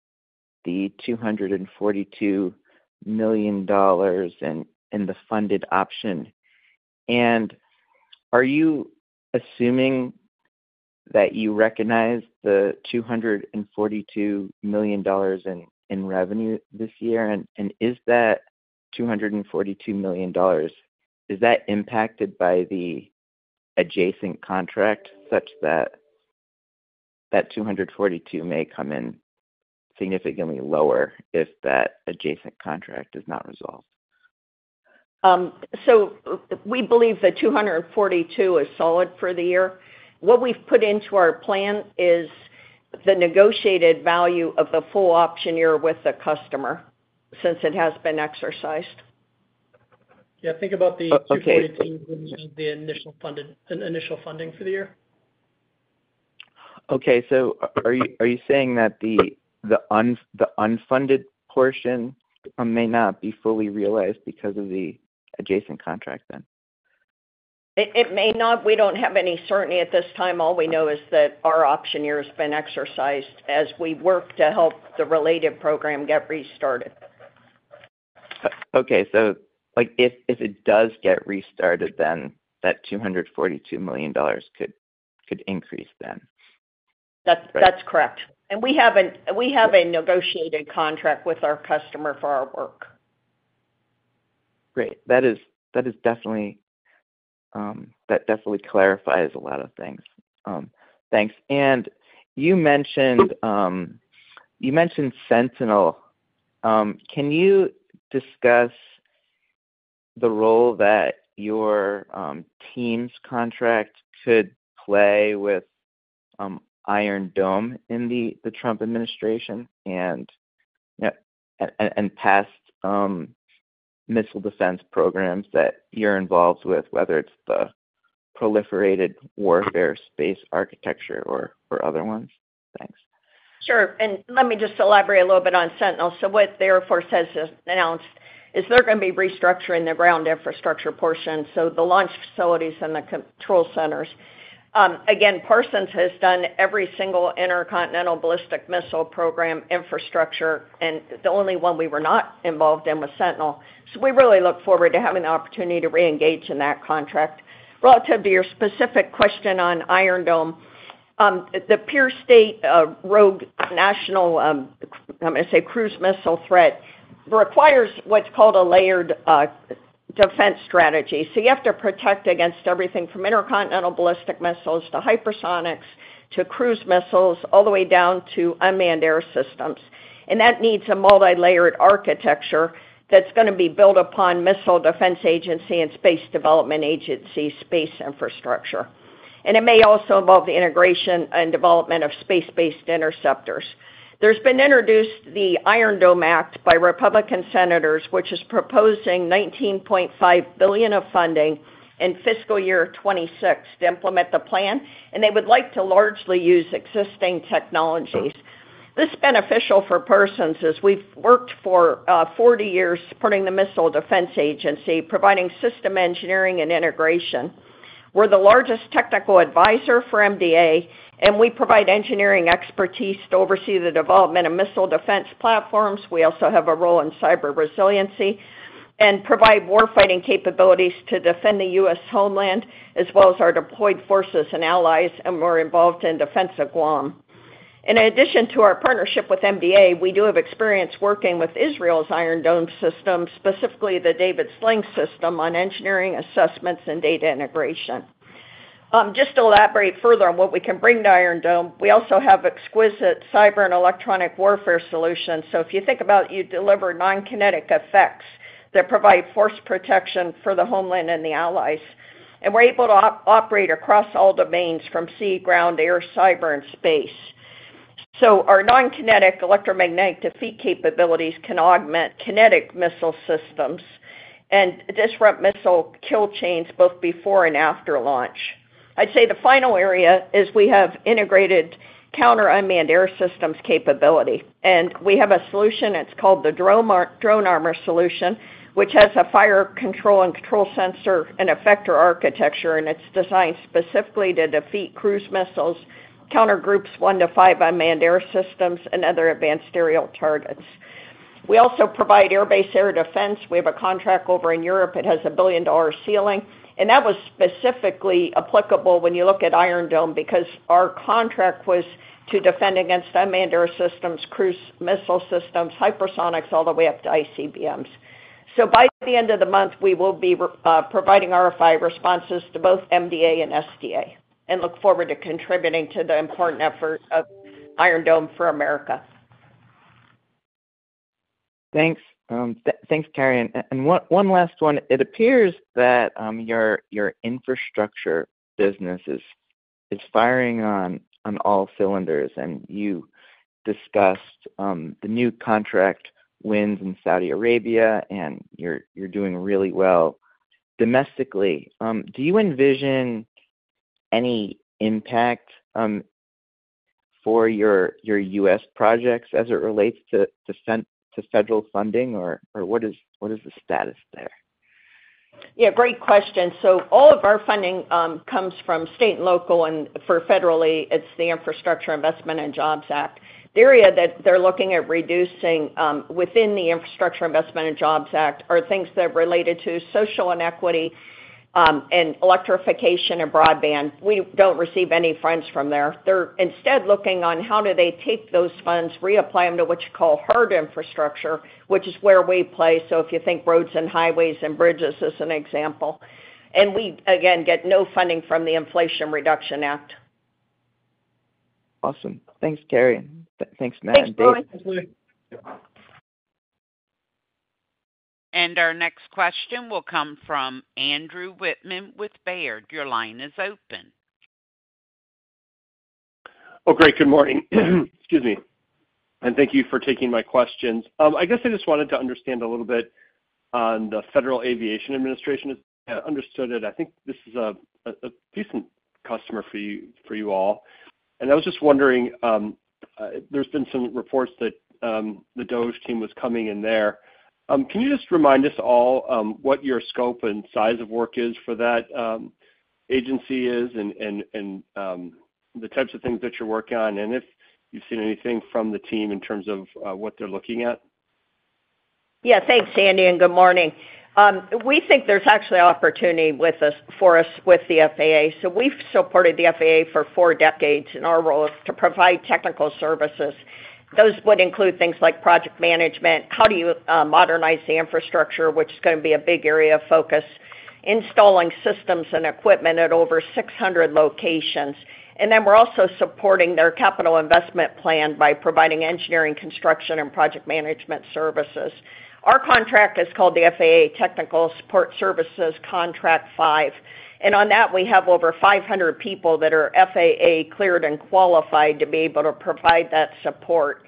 the $242 million in the funded option. Are you assuming that you recognize the $242 million in revenue this year? Is that $242 million impacted by the adjacent contract such that that $242 million may come in significantly lower if that adjacent contract is not resolved? We believe the $242 million is solid for the year. What we've put into our plan is the negotiated value of the full option year with the customer since it has been exercised. Yeah. Think about (crosstalks) the $242 million of the initial funding for the year. Okay, so are you saying that the unfunded portion may not be fully realized because of the adjacent contract then? It may not. We don't have any certainty at this time. All we know is that our option year has been exercised as we work to help the related program get restarted. Okay, so if it does get restarted, then that $242 million could increase then? That's correct, and we have a negotiated contract with our customer for our work. Great. That definitely clarifies a lot of things. Thanks, and you mentioned Sentinel. Can you discuss the role that your team's contract could play with Iron Dome in the Trump administration and past missile defense programs that you're involved with, whether it's the proliferated warfare space architecture or other ones? Thanks. Sure. And let me just elaborate a little bit on Sentinel. So what the Air Force has announced is they're going to be restructuring the ground infrastructure portion, so the launch facilities and the control centers. Again, Parsons has done every single intercontinental ballistic missile program infrastructure, and the only one we were not involved in was Sentinel. So we really look forward to having the opportunity to reengage in that contract. Relative to your specific question on Iron Dome, the peer-state rogue nation, I'm going to say, cruise missile threat requires what's called a layered defense strategy. You have to protect against everything from intercontinental ballistic missiles to hypersonics to cruise missiles all the way down to unmanned air systems. And that needs a multi-layered architecture that's going to be built upon Missile Defense Agency and Space Development Agency space infrastructure. And it may also involve the integration and development of space-based interceptors. There's been introduced the Iron Dome Act by Republican senators, which is proposing $19.5 billion of funding in fiscal year 2026 to implement the plan, and they would like to largely use existing technologies. This is beneficial for Parsons as we've worked for 40 years supporting the Missile Defense Agency, providing system engineering and integration. We're the largest technical advisor for MDA, and we provide engineering expertise to oversee the development of missile defense platforms. We also have a role in cyber resiliency and provide warfighting capabilities to defend the US. Homeland as well as our deployed forces and allies, and we're involved in defense of Guam. In addition to our partnership with MDA, we do have experience working with Israel's Iron Dome system, specifically the David's Sling system on engineering assessments and data integration. Just to elaborate further on what we can bring to Iron Dome, we also have exquisite cyber and electronic warfare solutions. So if you think about it, you deliver non-kinetic effects that provide force protection for the homeland and the allies. And we're able to operate across all domains from sea, ground, air, cyber, and space. So our non-kinetic electromagnetic defeat capabilities can augment kinetic missile systems and disrupt missile kill chains both before and after launch. I'd say the final area is we have integrated counter unmanned air systems capability. We have a solution that's called the DroneArmor solution, which has a fire control and control sensor and effector architecture, and it's designed specifically to defeat cruise missiles, counter groups one to five unmanned air systems, and other advanced aerial targets. We also provide air-based air defense. We have a contract over in Europe. It has a $1 billion ceiling. And that was specifically applicable when you look at Iron Dome because our contract was to defend against unmanned air systems, cruise missile systems, hypersonics, all the way up to ICBMs. So by the end of the month, we will be providing RFI responses to both MDA and SDA and look forward to contributing to the important effort of Iron Dome for America. Thanks. Thanks, Carey. And one last one. It appears that your infrastructure business is firing on all cylinders, and you discussed the new contract wins in Saudi Arabia, and you're doing really well domestically. Do you envision any impact for your US projects as it relates to federal funding, or what is the status there? Yeah. Great question. All of our funding comes from state and local, and for federally, it's the Infrastructure Investment and Jobs Act. The area that they're looking at reducing within the Infrastructure Investment and JAct are things that are related to social inequity and electrification and broadband. We don't receive any funds from there. They're instead looking on how do they take those funds, reapply them to what you call hard infrastructure, which is where we play, so if you think roads and highways and bridges as an example, and we, again, get no funding from the Inflation Reduction Act. Awesome. Thanks, Carey. Thanks, Matt and Dave. Thanks, Louie. And our next question will come from Andrew Wittmann with Baird. Your line is open. Oh, great. Good morning. Excuse me. And thank you for taking my questions. I guess I just wanted to understand a little bit on the Federal Aviation Administration. As I understood it, I think this is a decent customer for you all. And I was just wondering, there's been some reports that the DOGE team was coming in there. Can you just remind us all what your scope and size of work is for that agency and the types of things that you're working on and if you've seen anything from the team in terms of what they're looking at? Yeah. Thanks, Andy. And good morning. We think there's actually opportunity for us with the FAA. So we've supported the FAA for four decades in our role to provide technical services. Those would include things like project management, how do you modernize the infrastructure, which is going to be a big area of focus, installing systems and equipment at over 600 locations. And then we're also supporting their capital investment plan by providing engineering, construction, and project management services. Our contract is called the FAA Technical Support Services Contract 5. And on that, we have over 500 people that are FAA cleared and qualified to be able to provide that support.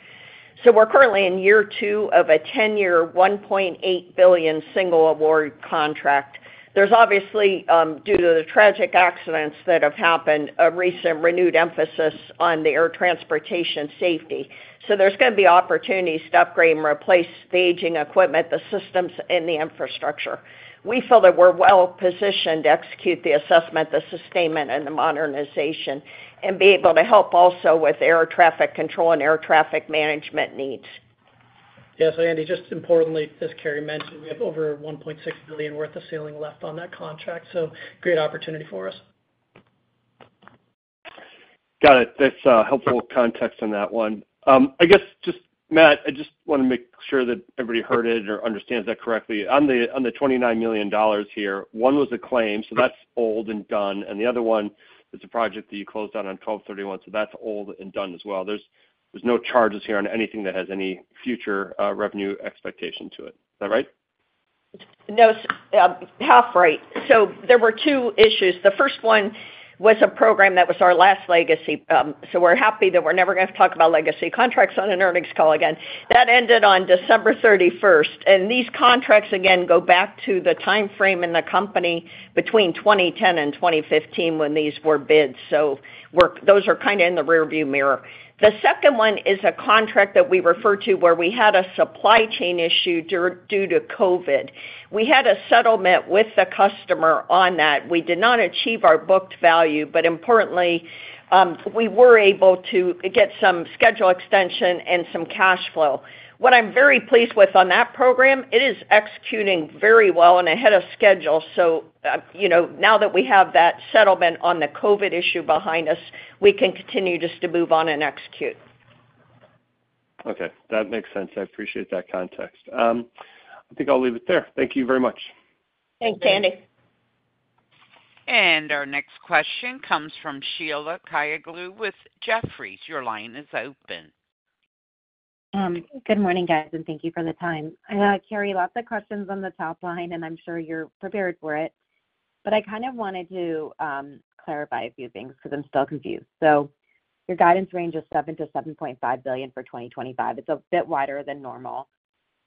So we're currently in year two of a 10-year, $1.8 billion single award contract. There's obviously, due to the tragic accidents that have happened, a recent renewed emphasis on the air transportation safety. So there's going to be opportunities to upgrade and replace the aging equipment, the systems, and the infrastructure. We feel that we're well positioned to execute the assessment, the sustainment, and the modernization and be able to help also with air traffic control and air traffic management needs. Yeah. So, Andy, just importantly, as Carey mentioned, we have over $1.6 billion worth of ceiling left on that contract. So great opportunity for us. Got it. That's helpful context on that one. I guess, Matt, I just want to make sure that everybody heard it or understands that correctly. On the $29 million here, one was a claim, so that's old and done. And the other one is a project that you closed down on 12/31. So that's old and done as well. There's no charges here on anything that has any future revenue expectation to it. Is that right? No. Half right. So there were two issues. The first one was a program that was our last legacy. We're happy that we're never going to talk about legacy contracts on an earnings call again. That ended on December 31st. These contracts, again, go back to the timeframe in the company between 2010 and 2015 when these were bids. Those are kind of in the rearview mirror. The second one is a contract that we refer to where we had a supply chain issue due to COVID. We had a settlement with the customer on that. We did not achieve our booked value, but importantly, we were able to get some schedule extension and some cash flow. What I'm very pleased with on that program, it is executing very well and ahead of schedule. Now that we have that settlement on the COVID issue behind us, we can continue just to move on and execute. Okay. That makes sense. I appreciate that context. I think I'll leave it there. Thank you very much. Thanks, Andy. And our next question comes from Sheila Kahyaoglu with Jefferies. Your line is open. Good morning, guys, and thank you for the time. I know I carry lots of questions on the top line, and I'm sure you're prepared for it. But I kind of wanted to clarify a few things because I'm still confused. So your guidance range is $7-$7.5 billion for 2025. It's a bit wider than normal.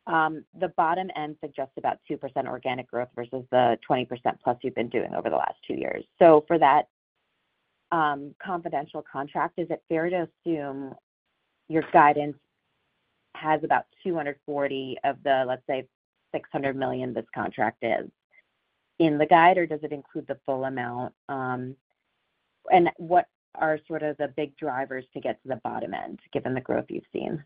The bottom end suggests about 2% organic growth versus the 20% plus you've been doing over the last two years. So for that confidential contract, is it fair to assume your guidance has about $240 of the, let's say, $600 million this contract is in the guide, or does it include the full amount? What are sort of the big drivers to get to the bottom end given the growth you've seen?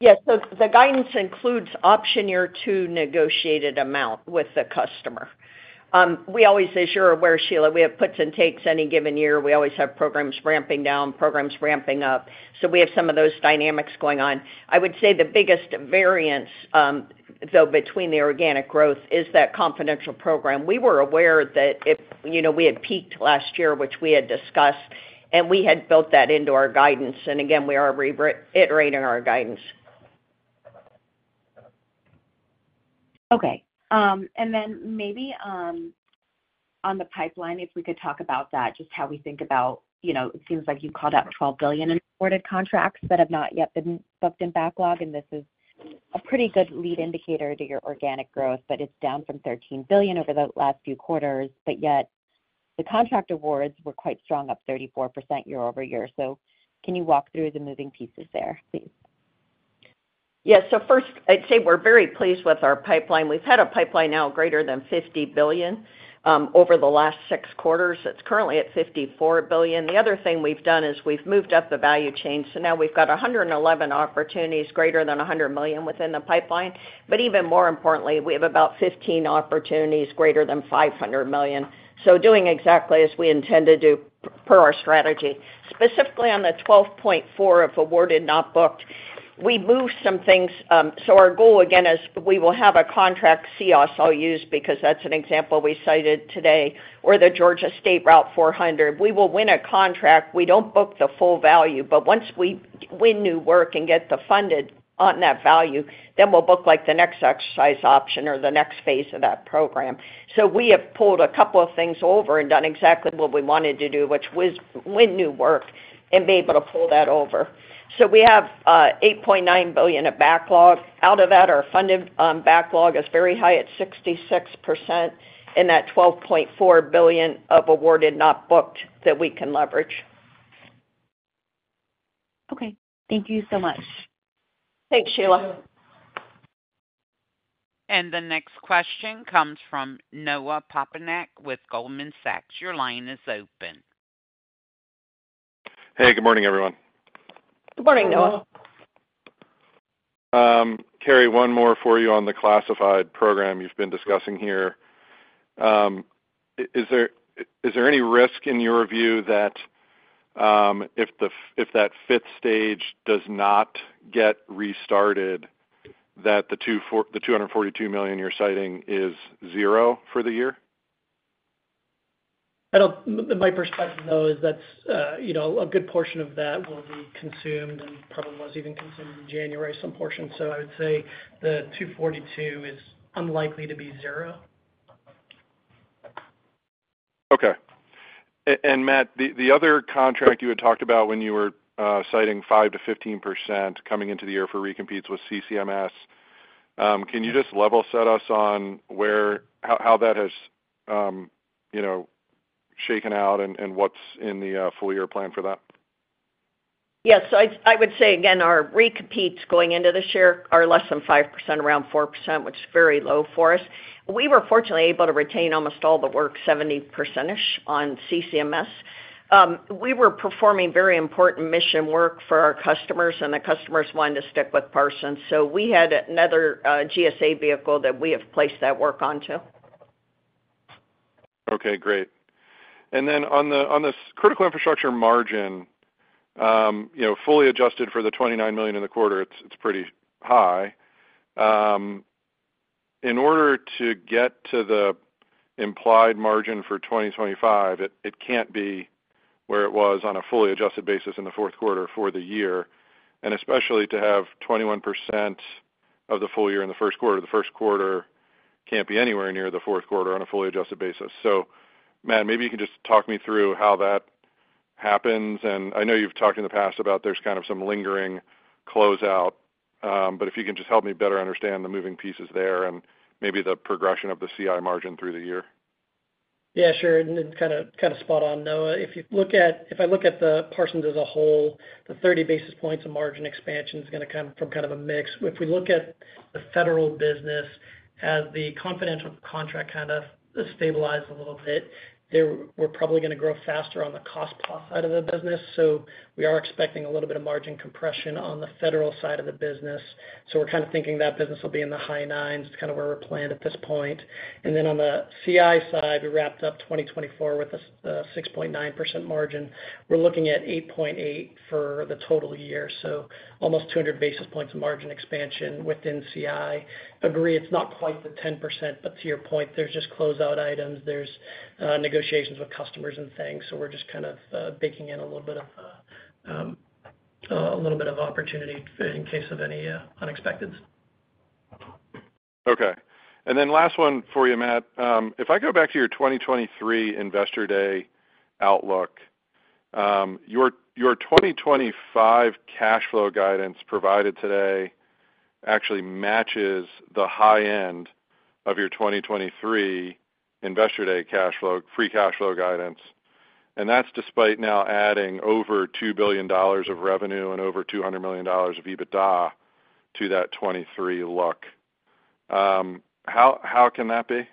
Yeah. The guidance includes option year to negotiated amount with the customer. As you're aware, Sheila, we have puts and takes any given year. We always have programs ramping down, programs ramping up. We have some of those dynamics going on. I would say the biggest variance, though, between the organic growth is that confidential program. We were aware that we had peaked last year, which we had discussed, and we had built that into our guidance. Again, we are reiterating our guidance. Okay. Then maybe on the pipeline, if we could talk about that, just how we think about it seems like you called out $12 billion in awarded contracts that have not yet been booked in backlog. And this is a pretty good lead indicator to your organic growth, but it's down from $13 billion over the last few quarters. But yet, the contract awards were quite strong, up 34% year over year. So can you walk through the moving pieces there, please? Yeah. So first, I'd say we're very pleased with our pipeline. We've had a pipeline now greater than $50 billion over the last six quarters. It's currently at $54 billion. The other thing we've done is we've moved up the value chain. So now we've got 111 opportunities greater than $100 million within the pipeline. But even more importantly, we have about 15 opportunities greater than $500 million. So doing exactly as we intend to do per our strategy. Specifically on the $12.4 billion of awarded not booked, we moved some things. So our goal, again, is we will have a contract, CEOIS. I'll use [it] because that's an example we cited today, or the Georgia State Route 400. We will win a contract. We don't book the full value. But once we win new work and get the funded on that value, then we'll book the next exercise option or the next phase of that program. So we have pulled a couple of things over and done exactly what we wanted to do, which was win new work and be able to pull that over. So we have $8.9 billion of backlog. Out of that, our funded backlog is very high at 66% in that $12.4 billion of awarded not booked that we can leverage. Okay. Thank you so much. Thanks, Sheila. And the next question comes from Noah Poponak with Goldman Sachs. Your line is open. Hey. Good morning, everyone. Good morning, Noah. Carey, one more for you on the classified program you've been discussing here. Is there any risk in your view that if that fifth stage does not get restarted, that the $242 million you're citing is zero for the year? My perspective, though, is that a good portion of that will be consumed and probably was even consumed in January, some portion. So I would say the $242 million is unlikely to be zero. Okay. And Matt, the other contract you had talked about when you were citing 5%-15% coming into the year for recompetes with CCMS, can you just level set us on how that has shaken out and what's in the full year plan for that? Yeah. So I would say, again, our recompetes going into this year are less than 5%, around 4%, which is very low for us. We were fortunately able to retain almost all the work, 70%-ish on CCMS. We were performing very important mission work for our customers, and the customers wanted to stick with Parsons. So we had another GSA vehicle that we have placed that work onto. Okay. Great. And then on this critical infrastructure margin, fully adjusted for the $29 million in the quarter, it's pretty high. In order to get to the implied margin for 2025, it can't be where it was on a fully adjusted basis in the Q4 for the year, and especially to have 21% of the full year in the Q1. The Q1 can't be anywhere near the Q4 on a fully adjusted basis. So, Matt, maybe you can just talk me through how that happens.I know you've talked in the past about there's kind of some lingering closeout, but if you can just help me better understand the moving pieces there and maybe the progression of the CI margin through the year. Yeah. Sure. Kind of spot on, Noah. If I look at Parsons as a whole, the 30 basis points of margin expansion is going to come from kind of a mix. If we look at the federal business, as the confidential contract kind of stabilized a little bit, we're probably going to grow faster on the cost side of the business. So we are expecting a little bit of margin compression on the federal side of the business. So we're kind of thinking that business will be in the high nines. It's kind of where we're planned at this point. And then on the CI side, we wrapped up 2024 with a 6.9% margin. We're looking at 8.8% for the total year. So almost 200 basis points of margin expansion within CI. Agree. It's not quite the 10%, but to your point, there's just closeout items. There's negotiations with customers and things. So we're just kind of baking in a little bit of a little bit of opportunity in case of any unexpected. Okay. And then last one for you, Matt. If I go back to your 2023 Investor Day outlook, your 2025 cash flow guidance provided today actually matches the high end of your 2023 Investor Day free cash flow guidance. And that's despite now adding over $2 billion of revenue and over $200 million of EBITDA to that '23 look. How can that be?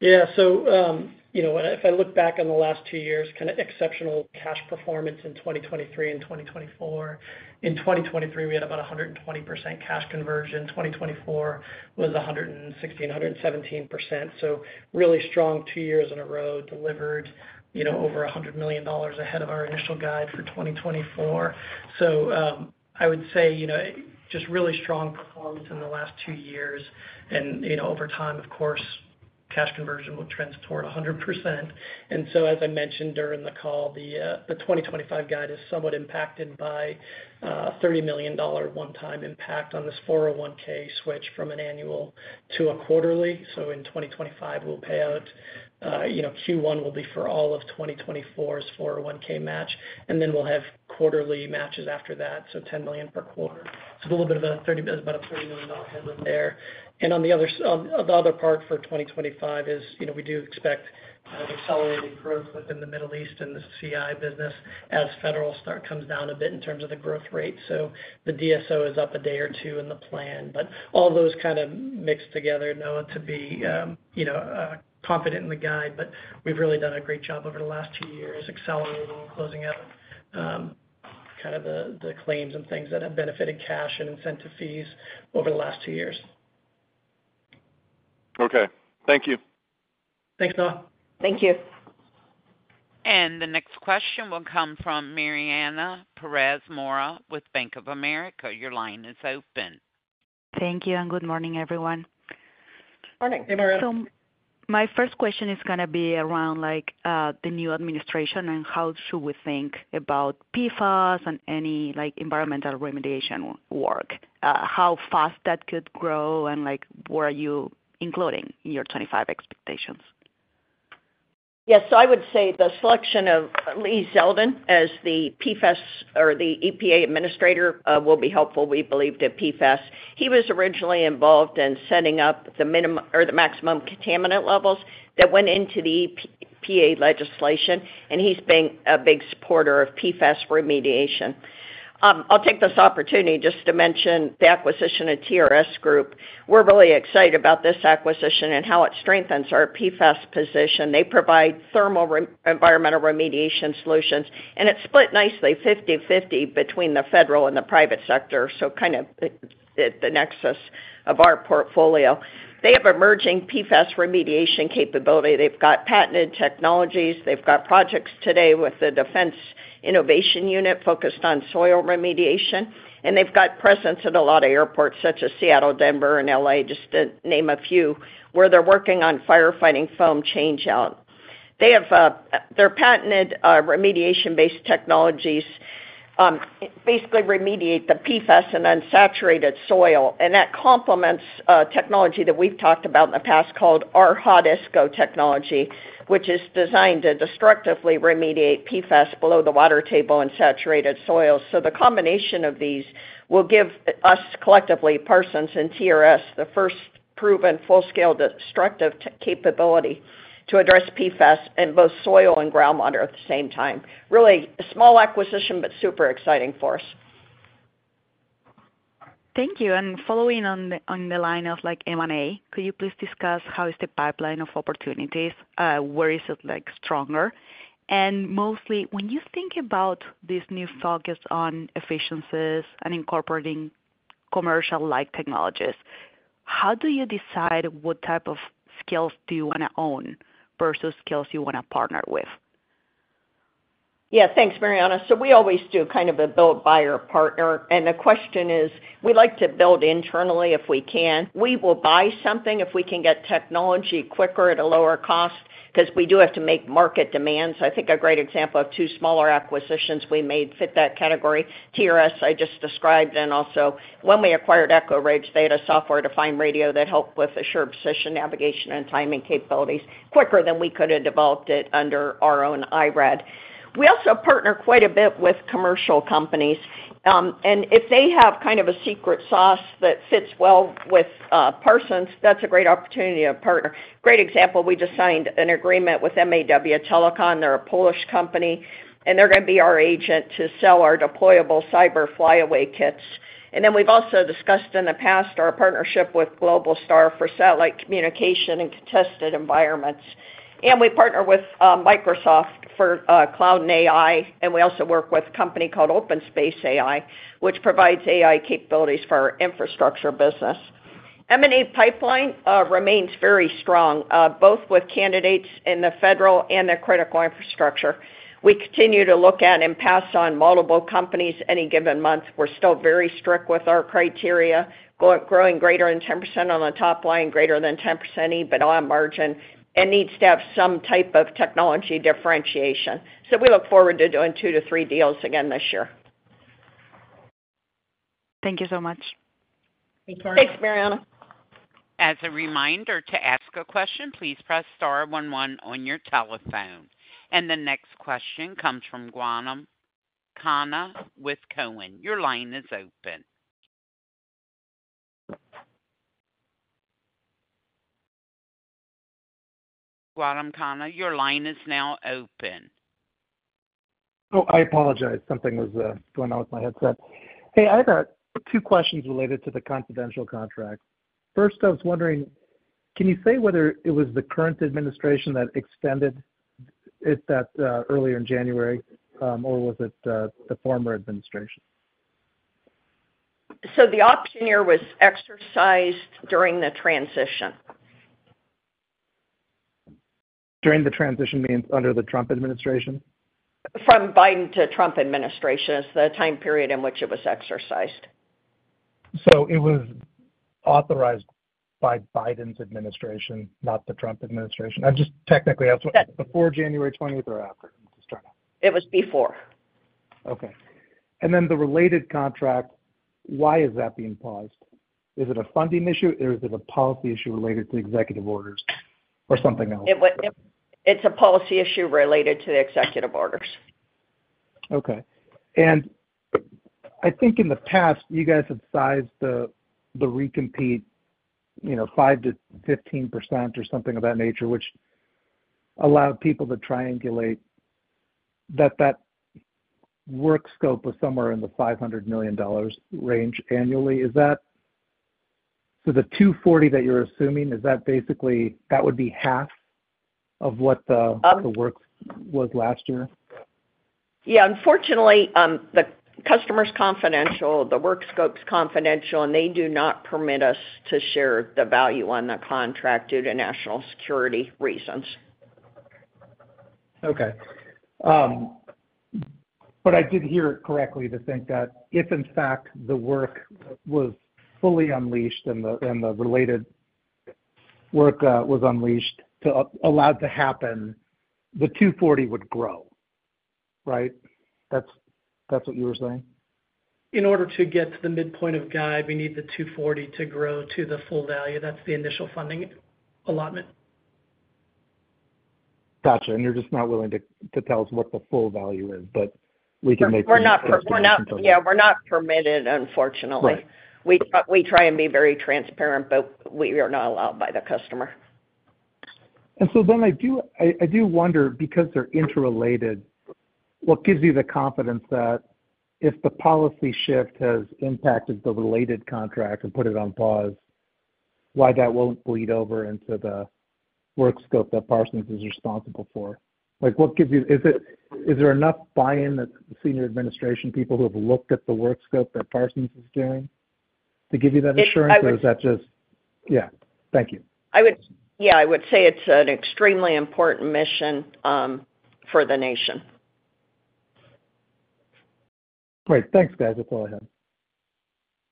Yeah. So if I look back on the last two years, kind of exceptional cash performance in 2023 and 2024. In 2023, we had about 120% cash conversion. 2024 was 116%-117%. So really strong two years in a row, delivered over $100 million ahead of our initial guide for 2024. So I would say just really strong performance in the last two years. And over time, of course, cash conversion will trend toward 100%. And so, as I mentioned during the call, the 2025 guide is somewhat impacted by a $30 million one-time impact on this 401(k) switch from an annual to a quarterly. So in 2025, we'll pay out. Q1 will be for all of 2024's 401(k) match. And then we'll have quarterly matches after that. So $10 million per quarter. So it's a little bit of a $30 million, about a $30 million headwind there. On the other part for 2025, we do expect accelerated growth within the Middle East and the CI business as federal spend comes down a bit in terms of the growth rate. So the DSO is up a day or two in the plan. But all those kind of mixed together, Noah, to be confident in the guide. But we've really done a great job over the last two years, accelerating and closing out kind of the claims and things that have benefited cash and incentive fees over the last two years. Okay. Thank you. Thanks, Noah. Thank you. And the next question will come from Mariana Perez Mora with Bank of America. Your line is open. Thank you. And good morning, everyone. Morning. Hey, Mariana. So my first question is going to be around the new administration and how should we think about PFAS and any environmental remediation work, how fast that could grow, and what are you including in your 2025 expectations? Yeah. So I would say the selection of Lee Zeldin as the PFAS or the EPA administrator will be helpful, we believe, to PFAS. He was originally involved in setting up the maximum contaminant levels that went into the EPA legislation, and he's been a big supporter of PFAS remediation. I'll take this opportunity just to mention the acquisition of TRS Group. We're really excited about this acquisition and how it strengthens our PFAS position. They provide thermal environmental remediation solutions, and it's split nicely, 50/50, between the federal and the private sector, so kind of at the nexus of our portfolio. They have emerging PFAS remediation capability. They've got patented technologies. They've got projects today with the Defense Innovation Unit focused on soil remediation. And they've got presence at a lot of airports such as Seattle, Denver, and LA, just to name a few, where they're working on firefighting foam changeout. They have their patented remediation-based technologies basically remediate the PFAS in unsaturated soil. And that complements technology that we've talked about in the past called our Hot-ISCO technology, which is designed to destructively remediate PFAS below the water table in saturated soils. So the combination of these will give us collectively, Parsons and TRS, the first proven full-scale destructive capability to address PFAS in both soil and groundwater at the same time. Really a small acquisition, but super exciting for us. Thank you. And following on the line of M&A, could you please discuss how is the pipeline of opportunities? Where is it stronger? And mostly, when you think about this new focus on efficiencies and incorporating commercial-like technologies, how do you decide what type of skills do you want to own versus skills you want to partner with? Yeah. Thanks, Mariana. So we always do kind of a build, buy, or partner. And the question is, we'd like to build internally if we can. We will buy something if we can get technology quicker at a lower cost because we do have to make market demands. I think a great example of two smaller acquisitions we made fit that category, TRS, I just described, and also when we acquired Echo Ridge data software to find radio that helped with assured position navigation and timing capabilities quicker than we could have developed it under our own IRAD. We also partner quite a bit with commercial companies. And if they have kind of a secret sauce that fits well with Parsons, that's a great opportunity to partner. Great example, we just signed an agreement with MAW Telecom. They're a Polish company. And they're going to be our agent to sell our deployable cyber flyaway kits. And then we've also discussed in the past our partnership with Globalstar for satellite communication and contested environments. And we partner with Microsoft for cloud and AI. And we also work with a company called OpenSpace, which provides AI capabilities for our infrastructure business. M&A pipeline remains very strong, both with candidates in the federal and the critical infrastructure. We continue to look at and pass on multiple companies any given month. We're still very strict with our criteria, growing greater than 10% on the top line, greater than 10% EBITDA margin, and needs to have some type of technology differentiation. So we look forward to doing two to three deals again this year. Thank you so much. Thanks, Mariana. As a reminder, to ask a question, please press star one, one on your telephone. And the next question comes from Gautam Khanna with Cowen. Your line is open. Gautam Khanna, your line is now open. Oh, I apologize. Something was going on with my headset. Hey, I have two questions related to the confidential contract. First, I was wondering, can you say whether it was the current administration that extended it earlier in January, or was it the former administration? So the option here was exercised during the transition. During the transition means under the Trump administration? From Biden to Trump administration is the time period in which it was exercised. So it was authorized by Biden's administration, not the Trump administration? I'm just technically asking before January 20th or after? Okay. And then the related contract, why is that being paused? Is it a funding issue? Is it a policy issue related to executive orders or something else? It's a policy issue related to the executive orders. Okay. And I think in the past, you guys had sized the recompetes 5% to 15% or something of that nature, which allowed people to triangulate that the work scope was somewhere in the $500 million range annually. So the 240 that you're assuming, is that basically that would be half of what the work was last year? Yeah. Unfortunately, the customer's confidential, the work scope's confidential, and they do not permit us to share the value on the contract due to national security reasons. Okay. But I did hear it correctly to think that if, in fact, the work was fully unleashed and the related work was unleashed to allow it to happen, the 240 would grow, right? That's what you were saying? In order to get to the midpoint of guide, we need the 240 to grow to the full value. That's the initial funding allotment. Gotcha. And you're just not willing to tell us what the full value is, but we can make a decision based on that. Yeah. We're not permitted, unfortunately. We try and be very transparent, but we are not allowed by the customer. And so then I do wonder, because they're interrelated, what gives you the confidence that if the policy shift has impacted the related contract and put it on pause, why that won't bleed over into the work scope that Parsons is responsible for? What gives you is there enough buy-in that the senior administration people who have looked at the work scope that Parsons is doing to give you that assurance, or is that just? Yeah. Thank you. Yeah. I would say it's an extremely important mission for the nation. Great. Thanks, guys. That's all I have.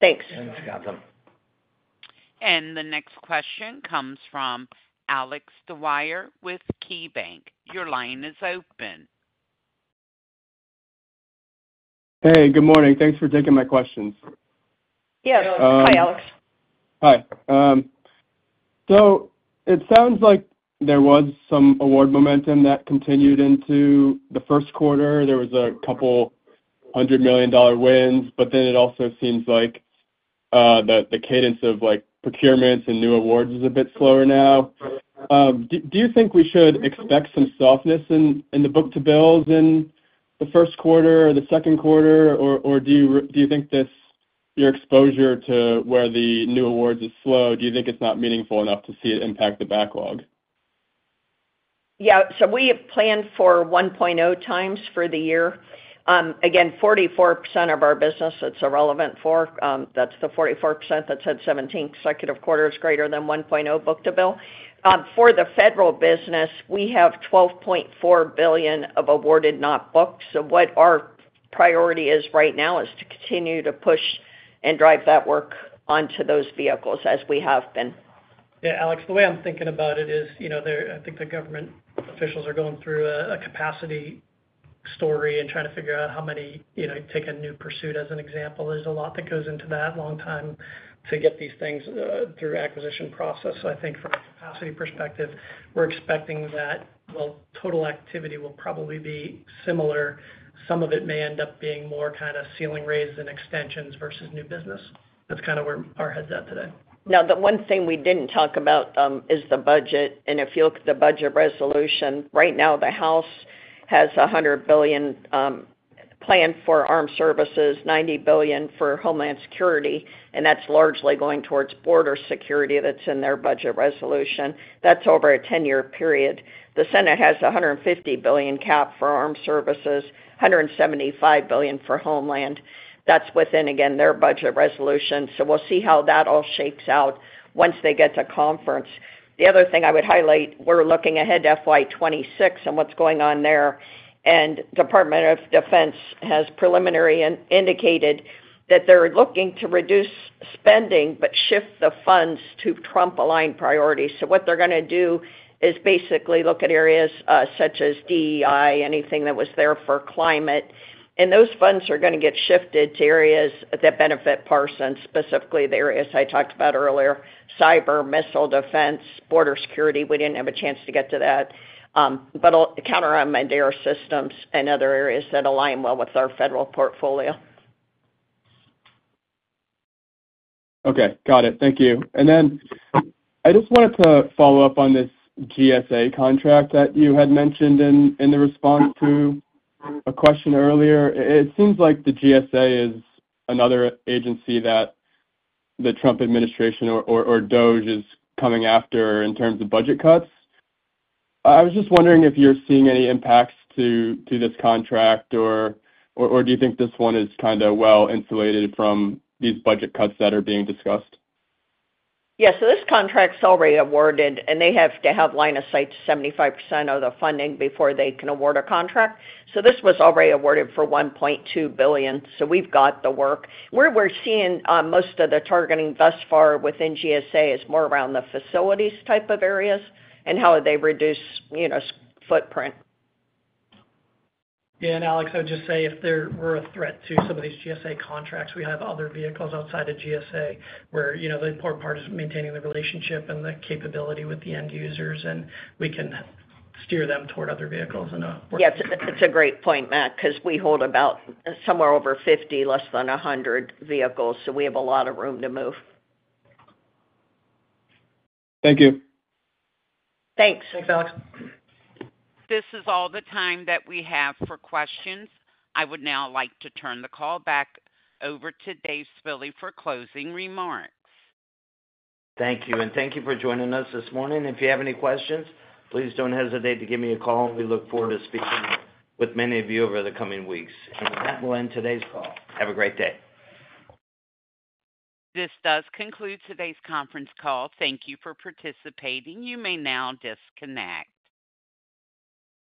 Thanks. Thanks, guys. And the next question comes from Alex Dwyer with KeyBanc. Your line is open. Hey, good morning. Thanks for taking my questions. Yes. Hi, Alex. Hi. So it sounds like there was some award momentum that continued into the Q1. There was $200 million wins. But then it also seems like the cadence of procurements and new awards is a bit slower now. Do you think we should expect some softness in the book-to-bill in the Q1 or the Q2? Or do you think your exposure to where the new awards is slow? Do you think it's not meaningful enough to see it impact the backlog? Yeah. So we have planned for 1.0 times for the year. Again, 44% of our business that's irrelevant for, that's the 44% that said 17 consecutive quarters greater than 1.0 book-to-bill. For the federal business, we have $12.4 billion of awarded not booked. So what our priority is right now is to continue to push and drive that work onto those vehicles as we have been. Yeah. Alex, the way I'm thinking about it is I think the government officials are going through a capacity story and trying to figure out how many take a new pursuit as an example. There's a lot that goes into that. Long time to get these things through acquisition process. I think from a capacity perspective, we're expecting that total activity will probably be similar. Some of it may end up being more kind of ceiling raise and extensions versus new business. That's kind of where our head's at today. Now, the one thing we didn't talk about is the budget. If you look at the budget resolution, right now, the House has $100 billion planned for armed services, $90 billion for homeland security. And that's largely going towards border security that's in their budget resolution. That's over a 10-year period. The Senate has $150 billion cap for armed services, $175 billion for homeland. That's within, again, their budget resolution. We'll see how that all shakes out once they get to conference. The other thing I would highlight, we're looking ahead to FY26 and what's going on there. And Department of Defense has preliminary indicated that they're looking to reduce spending but shift the funds to Trump-aligned priorities. So what they're going to do is basically look at areas such as DEI, anything that was there for climate. And those funds are going to get shifted to areas that benefit Parsons, specifically the areas I talked about earlier, cyber, missile defense, border security. We didn't have a chance to get to that, but counter-drone systems and other areas that align well with our federal portfolio. Okay. Got it. Thank you. And then I just wanted to follow up on this GSA contract that you had mentioned in the response to a question earlier. It seems like the GSA is another agency that the Trump administration or DOGE is coming after in terms of budget cuts. I was just wondering if you're seeing any impacts to this contract, or do you think this one is kind of well insulated from these budget cuts that are being discussed? Yeah. So this contract's already awarded, and they have to have line of sight to 75% of the funding before they can award a contract. So this was already awarded for $1.2 billion. So we've got the work. Where we're seeing most of the targeting thus far within GSA is more around the facilities type of areas and how they reduce footprint. Yeah. And Alex, I would just say if there were a threat to some of these GSA contracts, we have other vehicles outside of GSA where the important part is maintaining the relationship and the capability with the end users, and we can steer them toward other vehicles in a way. Yeah. It's a great point, Matt, because we hold about somewhere over 50, less than 100 vehicles. So we have a lot of room to move. Thank you. Thanks. This is all the time that we have for questions. I would now like to turn the call back over to Dave Spille for closing remarks. Thank you. And thank you for joining us this morning. If you have any questions, please don't hesitate to give me a call. And we look forward to speaking with many of you over the coming weeks. And with that, we'll end today's call. Have a great day. This does conclude today's conference call. Thank you for participating. You may now disconnect.